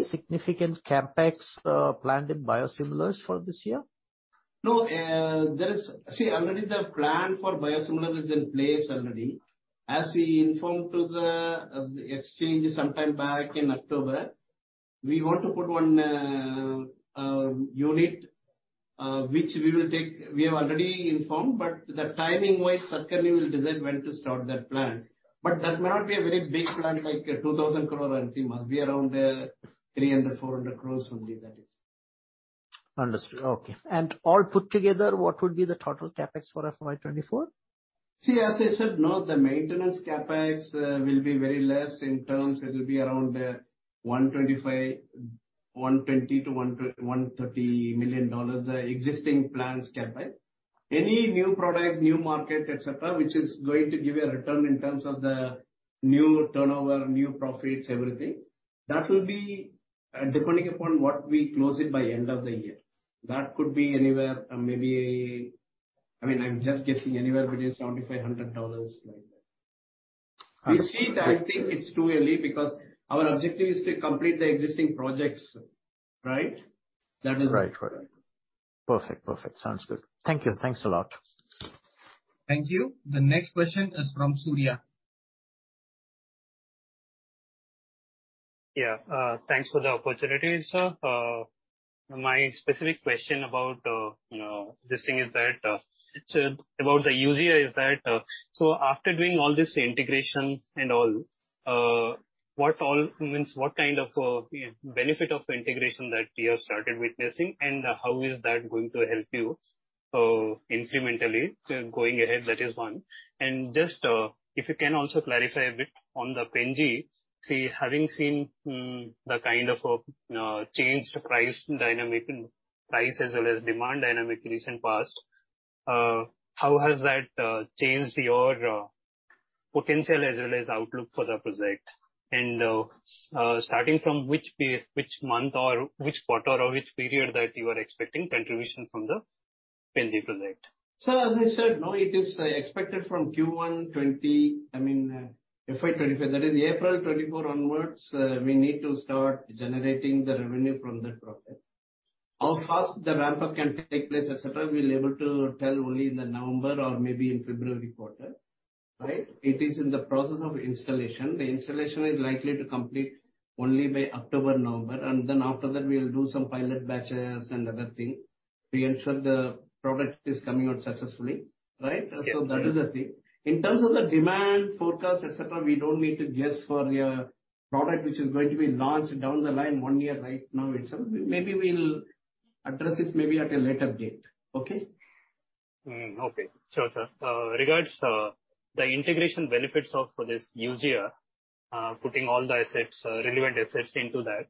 significant CapEx planned in biosimilars for this year? No, there is. See, already the plan for biosimilar is in place already. As we informed to the exchange sometime back in October, we want to put one unit which we have already informed, but the timing-wise, certainly we'll decide when to start that plan. That may not be a very big plan, like 2,000 crores, and it must be around 300, 400 crores only, that is. Understood. Okay. All put together, what would be the total CapEx for FY 2024? See, as I said, no, the maintenance CapEx will be very less in terms, it will be around $125 million, $120 million to $130 million, the existing plans CapEx. Any new products, new market, et cetera, which is going to give a return in terms of the new turnover, new profits, everything, that will be depending upon what we close it by end of the year. That could be anywhere, maybe, I mean, I'm just guessing, anywhere between $75, $100, like that. Understood. We'll see, but I think it's too early, because our objective is to complete the existing projects, right? Right. Right. Perfect. Perfect. Sounds good. Thank you. Thanks a lot. Thank you. The next question is from Surya. Thanks for the opportunity, sir. My specific question about, you know, this thing is that, it's about the Eugia, is that, after doing all this integration and all, what all means, what kind of benefit of integration that you have started witnessing, and how is that going to help you incrementally going ahead? That is one. Just if you can also clarify a bit on the Pen-G. See, having seen the kind of changed price dynamic, price as well as demand dynamic in recent past, how has that changed your potential as well as outlook for the project? Starting from which month or which quarter or which period that you are expecting contribution from the Pen-G project? Sir, as I said, it is expected from Q1 20, I mean, FY 2025, that is April 24 onwards, we need to start generating the revenue from that project. How fast the ramp-up can take place, et cetera, we'll be able to tell only in the November or maybe in February quarter, right? It is in the process of installation. The installation is likely to complete only by October, November, then after that we will do some pilot batches and other thing to ensure the product is coming out successfully, right? Yeah. That is the thing. In terms of the demand forecast, et cetera, we don't need to guess for a product which is going to be launched down the line one year right now itself. Maybe we'll address it maybe at a later date. Okay? Mm-hmm. Okay. Sure, sir. Regards, the integration benefits of this Eugia, putting all the assets, relevant assets into that,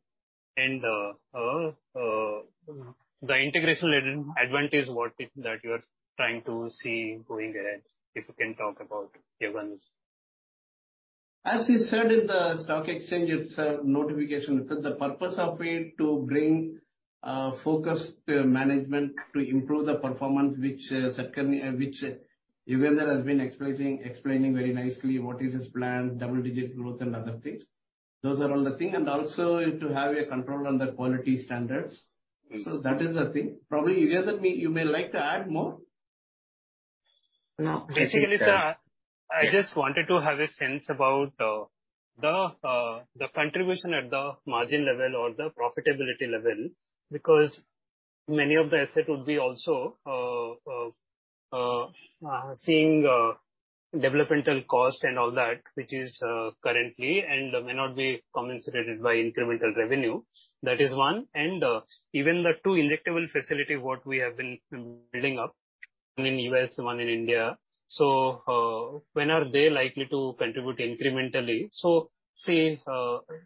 and the integration advantage, what is that you are trying to see going ahead, if you can talk about Yugandhar? As he said in the stock exchange, it's a notification. It's the purpose of it to bring focused management to improve the performance, which Yugandhar has been explaining very nicely, what is his plan, double-digit growth and other things. Those are all the thing, also to have a control on the quality standards. Mm-hmm. That is the thing. Probably, Yugandhar, you may like to add more? No. Basically, sir, I just wanted to have a sense about the contribution at the margin level or the profitability level, because many of the asset would be also seeing developmental cost and all that, which is currently and may not be compensated by incremental revenue. That is one. Even the two injectable facility, what we have been building up, one in U.S., one in India, when are they likely to contribute incrementally? Say,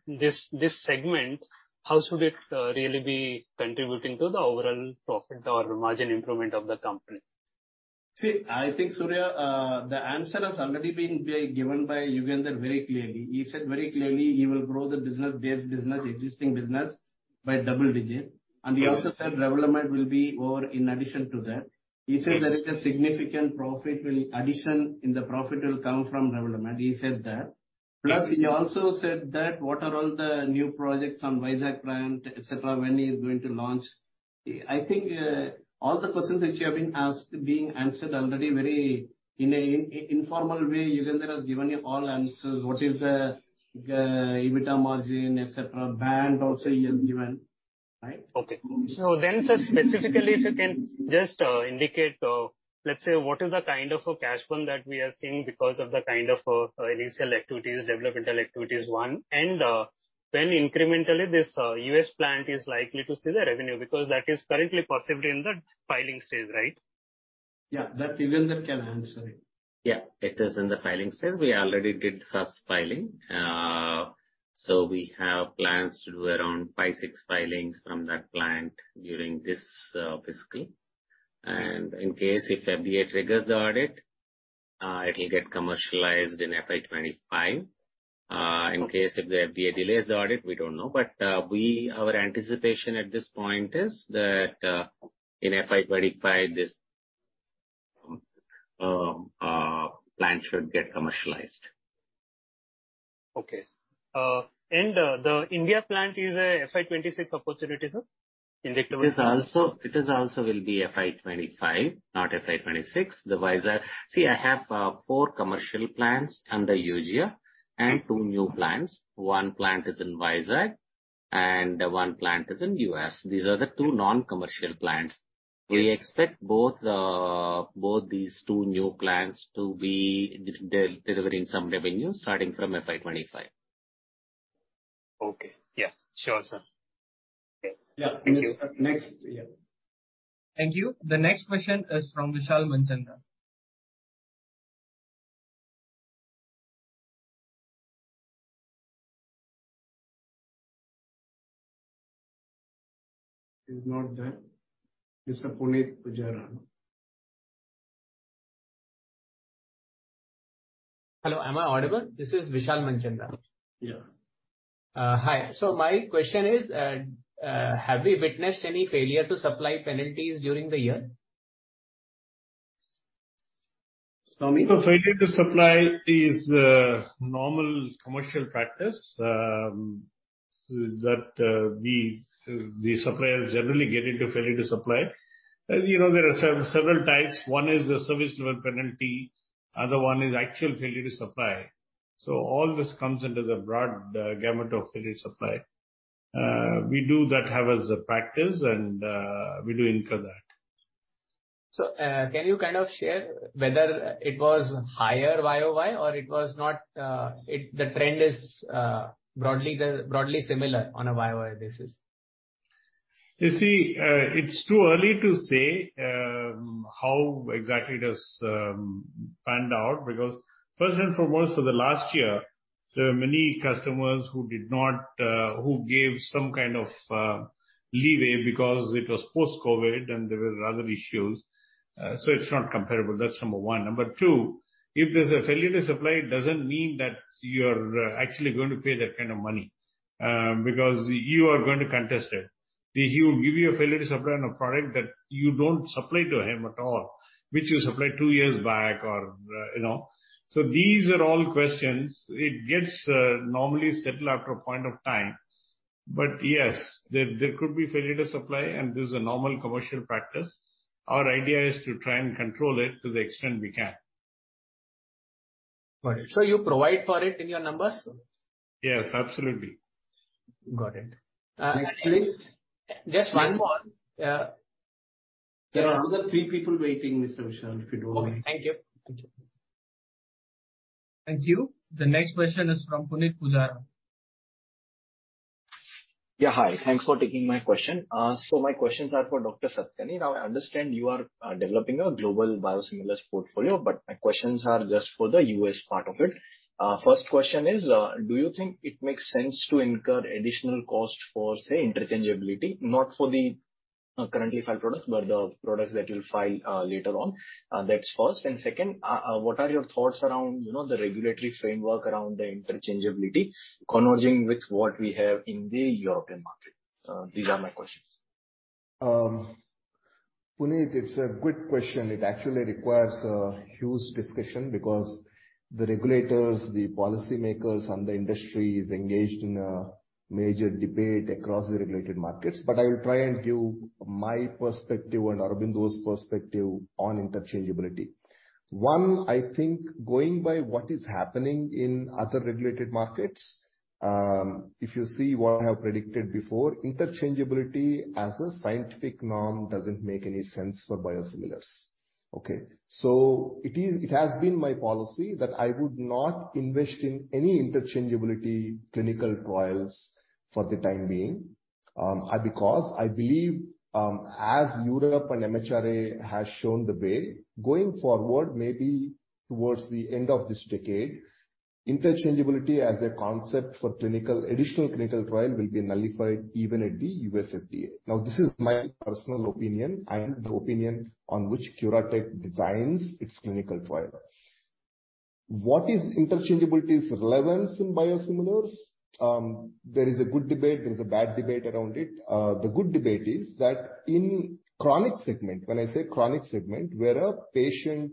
this segment, how should it really be contributing to the overall profit or margin improvement of the company? I think, Surya, the answer has already been given by Yugandhar very clearly. He said very clearly, he will grow the business, base business, existing business, by double digit. Okay. He also said development will be over in addition to that. Right. He said there is a significant addition in the profit will come from development. He said that. Yes. He also said that what are all the new projects on Vizag plant, et cetera, when he is going to launch. I think, all the questions which you have been asked, being answered already, very, in an informal way, Yugandhar has given you all answers. What is the EBITDA margin, et cetera, band also he has given, right? Sir, specifically, if you can just indicate, let's say, what is the kind of a cash burn that we are seeing because of the kind of initial activities, developmental activities, one, and when incrementally this U.S. plant is likely to see the revenue, because that is currently possibly in the filing stage, right? Yeah, that Yugandhar can answer it. Yeah, it is in the filing stage. We already did first filing. We have plans to do around five, six filings from that plant during this fiscal. In case if FDA triggers the audit, it'll get commercialized in FY 2025. Okay. in case if the FDA delays the audit, we don't know. We, our anticipation at this point is that, in FY 2025, this, plant should get commercialized. Okay. The India plant is a FY 2026 opportunity, sir? Injectable. It is also will be FY 2025, not FY 2026. See, I have four commercial plants under Eugia. Mm-hmm. Two new plants. One plant is in Vizag, and one plant is in U.S. These are the two non-commercial plants. Mm-hmm. We expect both these two new plants to be delivering some revenue starting from FY 2025. Okay. Yeah. Sure, sir. Okay. Yeah. Thank you. Next, yeah. Thank you. The next question is from Vishal Manchanda. He's not there. Mr. Punit Pujara. Hello, am I audible? This is Vishal Manchanda. Yeah. Hi. My question is, have we witnessed any failure to supply penalties during the year? Swami? Failure to supply is normal commercial practice that we the suppliers generally get into failure to supply. As you know, there are several types. One is the service level penalty, other one is actual failure to supply. All this comes under the broad gamut of failure to supply. We do that have as a practice, and we do incur that. Can you kind of share whether it was higher YoY or it was not, the trend is broadly similar on a YoY basis? You see, it's too early to say how exactly it has panned out, because first and foremost, for the last year, there are many customers who did not, who gave some kind of leeway because it was post-COVID and there were other issues. It's not comparable, that's number one. Number two, if there's a failure to supply, it doesn't mean that you're actually going to pay that kind of money, because you are going to contest it. He will give you a failure to supply on a product that you don't supply to him at all, which you supplied two years back or, you know. These are all questions. It gets normally settled after a point of time. Yes, there could be failure to supply, and this is a normal commercial practice. Our idea is to try and control it to the extent we can. Got it. You provide for it in your numbers? Yes, absolutely. Got it. Next, please. Just one more. There are another three people waiting, Mr. Vishal, if you don't mind. Okay. Thank you. Thank you. Thank you. The next question is from Punit Pujara. Yeah, hi. Thanks for taking my question. My questions are for Dr. Satakarni. Now, I understand you are developing a global biosimilars portfolio, but my questions are just for the U.S. part of it. First question is, do you think it makes sense to incur additional cost for, say, interchangeability? Not for the currently filed products, but the products that you'll file later on. That's first. Second, what are your thoughts around, you know, the regulatory framework around the interchangeability converging with what we have in the European market? These are my questions. Punit, it's a good question. It actually requires a huge discussion because the regulators, the policymakers, and the industry is engaged in a major debate across the regulated markets. I will try and give my perspective and Aurobindo's perspective on interchangeability. One, I think going by what is happening in other regulated markets, if you see what I have predicted before, interchangeability as a scientific norm doesn't make any sense for biosimilars, okay? It has been my policy that I would not invest in any interchangeability clinical trials for the time being, because I believe, as Europe and MHRA has shown the way, going forward, maybe towards the end of this decade, interchangeability as a concept for clinical, additional clinical trial will be nullified even at the U.S. FDA. This is my personal opinion and the opinion on which CuraTeQ designs its clinical trial. What is interchangeability's relevance in biosimilars? There is a good debate, there is a bad debate around it. The good debate is that in chronic segment, when I say chronic segment, where a patient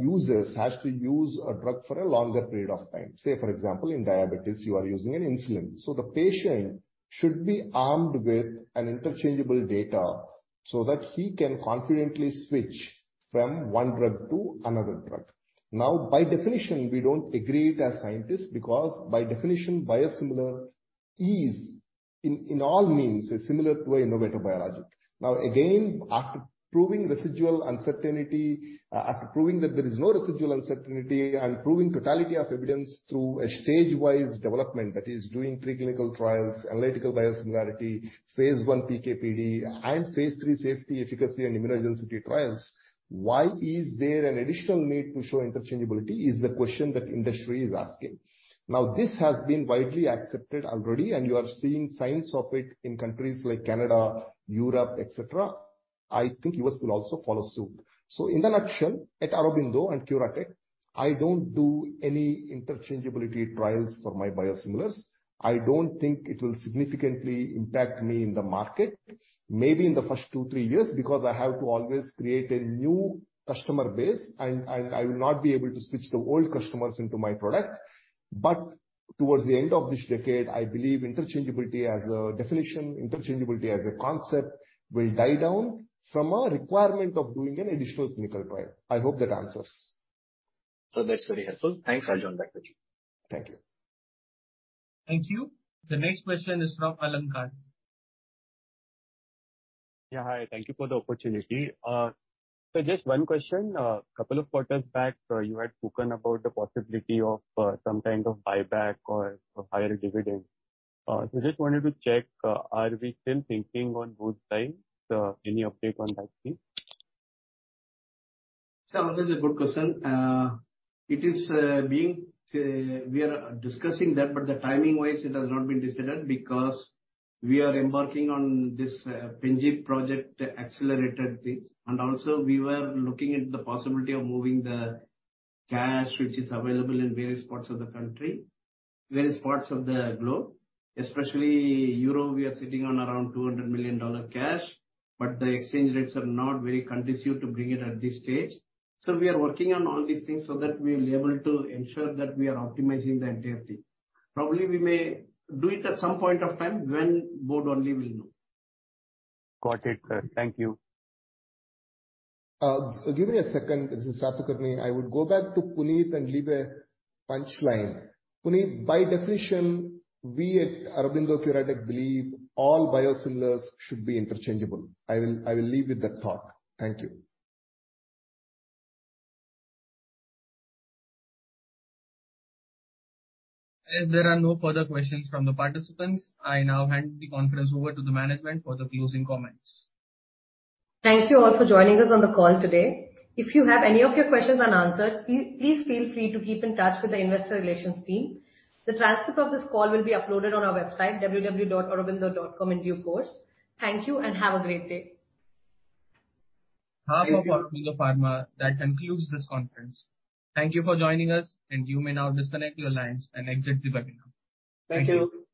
users has to use a drug for a longer period of time. Say, for example, in diabetes, you are using an insulin, the patient should be armed with an interchangeable data so that he can confidently switch from one drug to another drug. By definition, we don't agree it as scientists, because by definition, biosimilar is, in all means, is similar to an innovative biologic. Again, after proving residual uncertainty, after proving that there is no residual uncertainty, and proving totality of evidence through a stage-wise development, that is, doing preclinical trials, analytical biosimilarity, phase I PK/PD, and phase III safety, efficacy, and immunogenicity trials, why is there an additional need to show interchangeability? Is the question that industry is asking. This has been widely accepted already, and you are seeing signs of it in countries like Canada, Europe, et cetera. I think U.S. will also follow suit. In a nutshell, at Aurobindo and CuraTeQ, I don't do any interchangeability trials for my biosimilars. I don't think it will significantly impact me in the market. Maybe in the first two, three years, because I have to always create a new customer base, and I will not be able to switch the old customers into my product. Towards the end of this decade, I believe interchangeability as a definition, interchangeability as a concept, will die down from a requirement of doing an additional clinical trial. I hope that answers. That's very helpful. Thanks. I'll join back with you. Thank you. Thank you. The next question is from Alankar. Yeah, hi. Thank you for the opportunity. Just one question. Couple of quarters back, you had spoken about the possibility of some kind of buyback or higher dividend. Just wanted to check, are we still thinking on those lines? Any update on that please? This is a good question. It is being we are discussing that, the timing-wise, it has not been decided because we are embarking on this Pen-G project accelerated this. Also we were looking into the possibility of moving the cash, which is available in various parts of the country, various parts of the globe. Especially Europe, we are sitting on around $200 million cash, the exchange rates are not very conducive to bring it at this stage. We are working on all these things so that we will be able to ensure that we are optimizing the entire thing. Probably we may do it at some point of time, when board only will know. Got it, sir. Thank you. Give me a second, this is Satakarni. I would go back to Punit and leave a punchline. Punit, by definition, we at Aurobindo CuraTeQ believe all biosimilars should be interchangeable. I will leave with that thought. Thank you. As there are no further questions from the participants, I now hand the conference over to the management for the closing comments. Thank you all for joining us on the call today. If you have any of your questions unanswered, please feel free to keep in touch with the investor relations team. The transcript of this call will be uploaded on our website, www.aurobindo.com, in due course. Thank you. Have a great day. On behalf of Aurobindo Pharma, that concludes this conference. Thank you for joining us, and you may now disconnect your lines and exit the webinar. Thank you.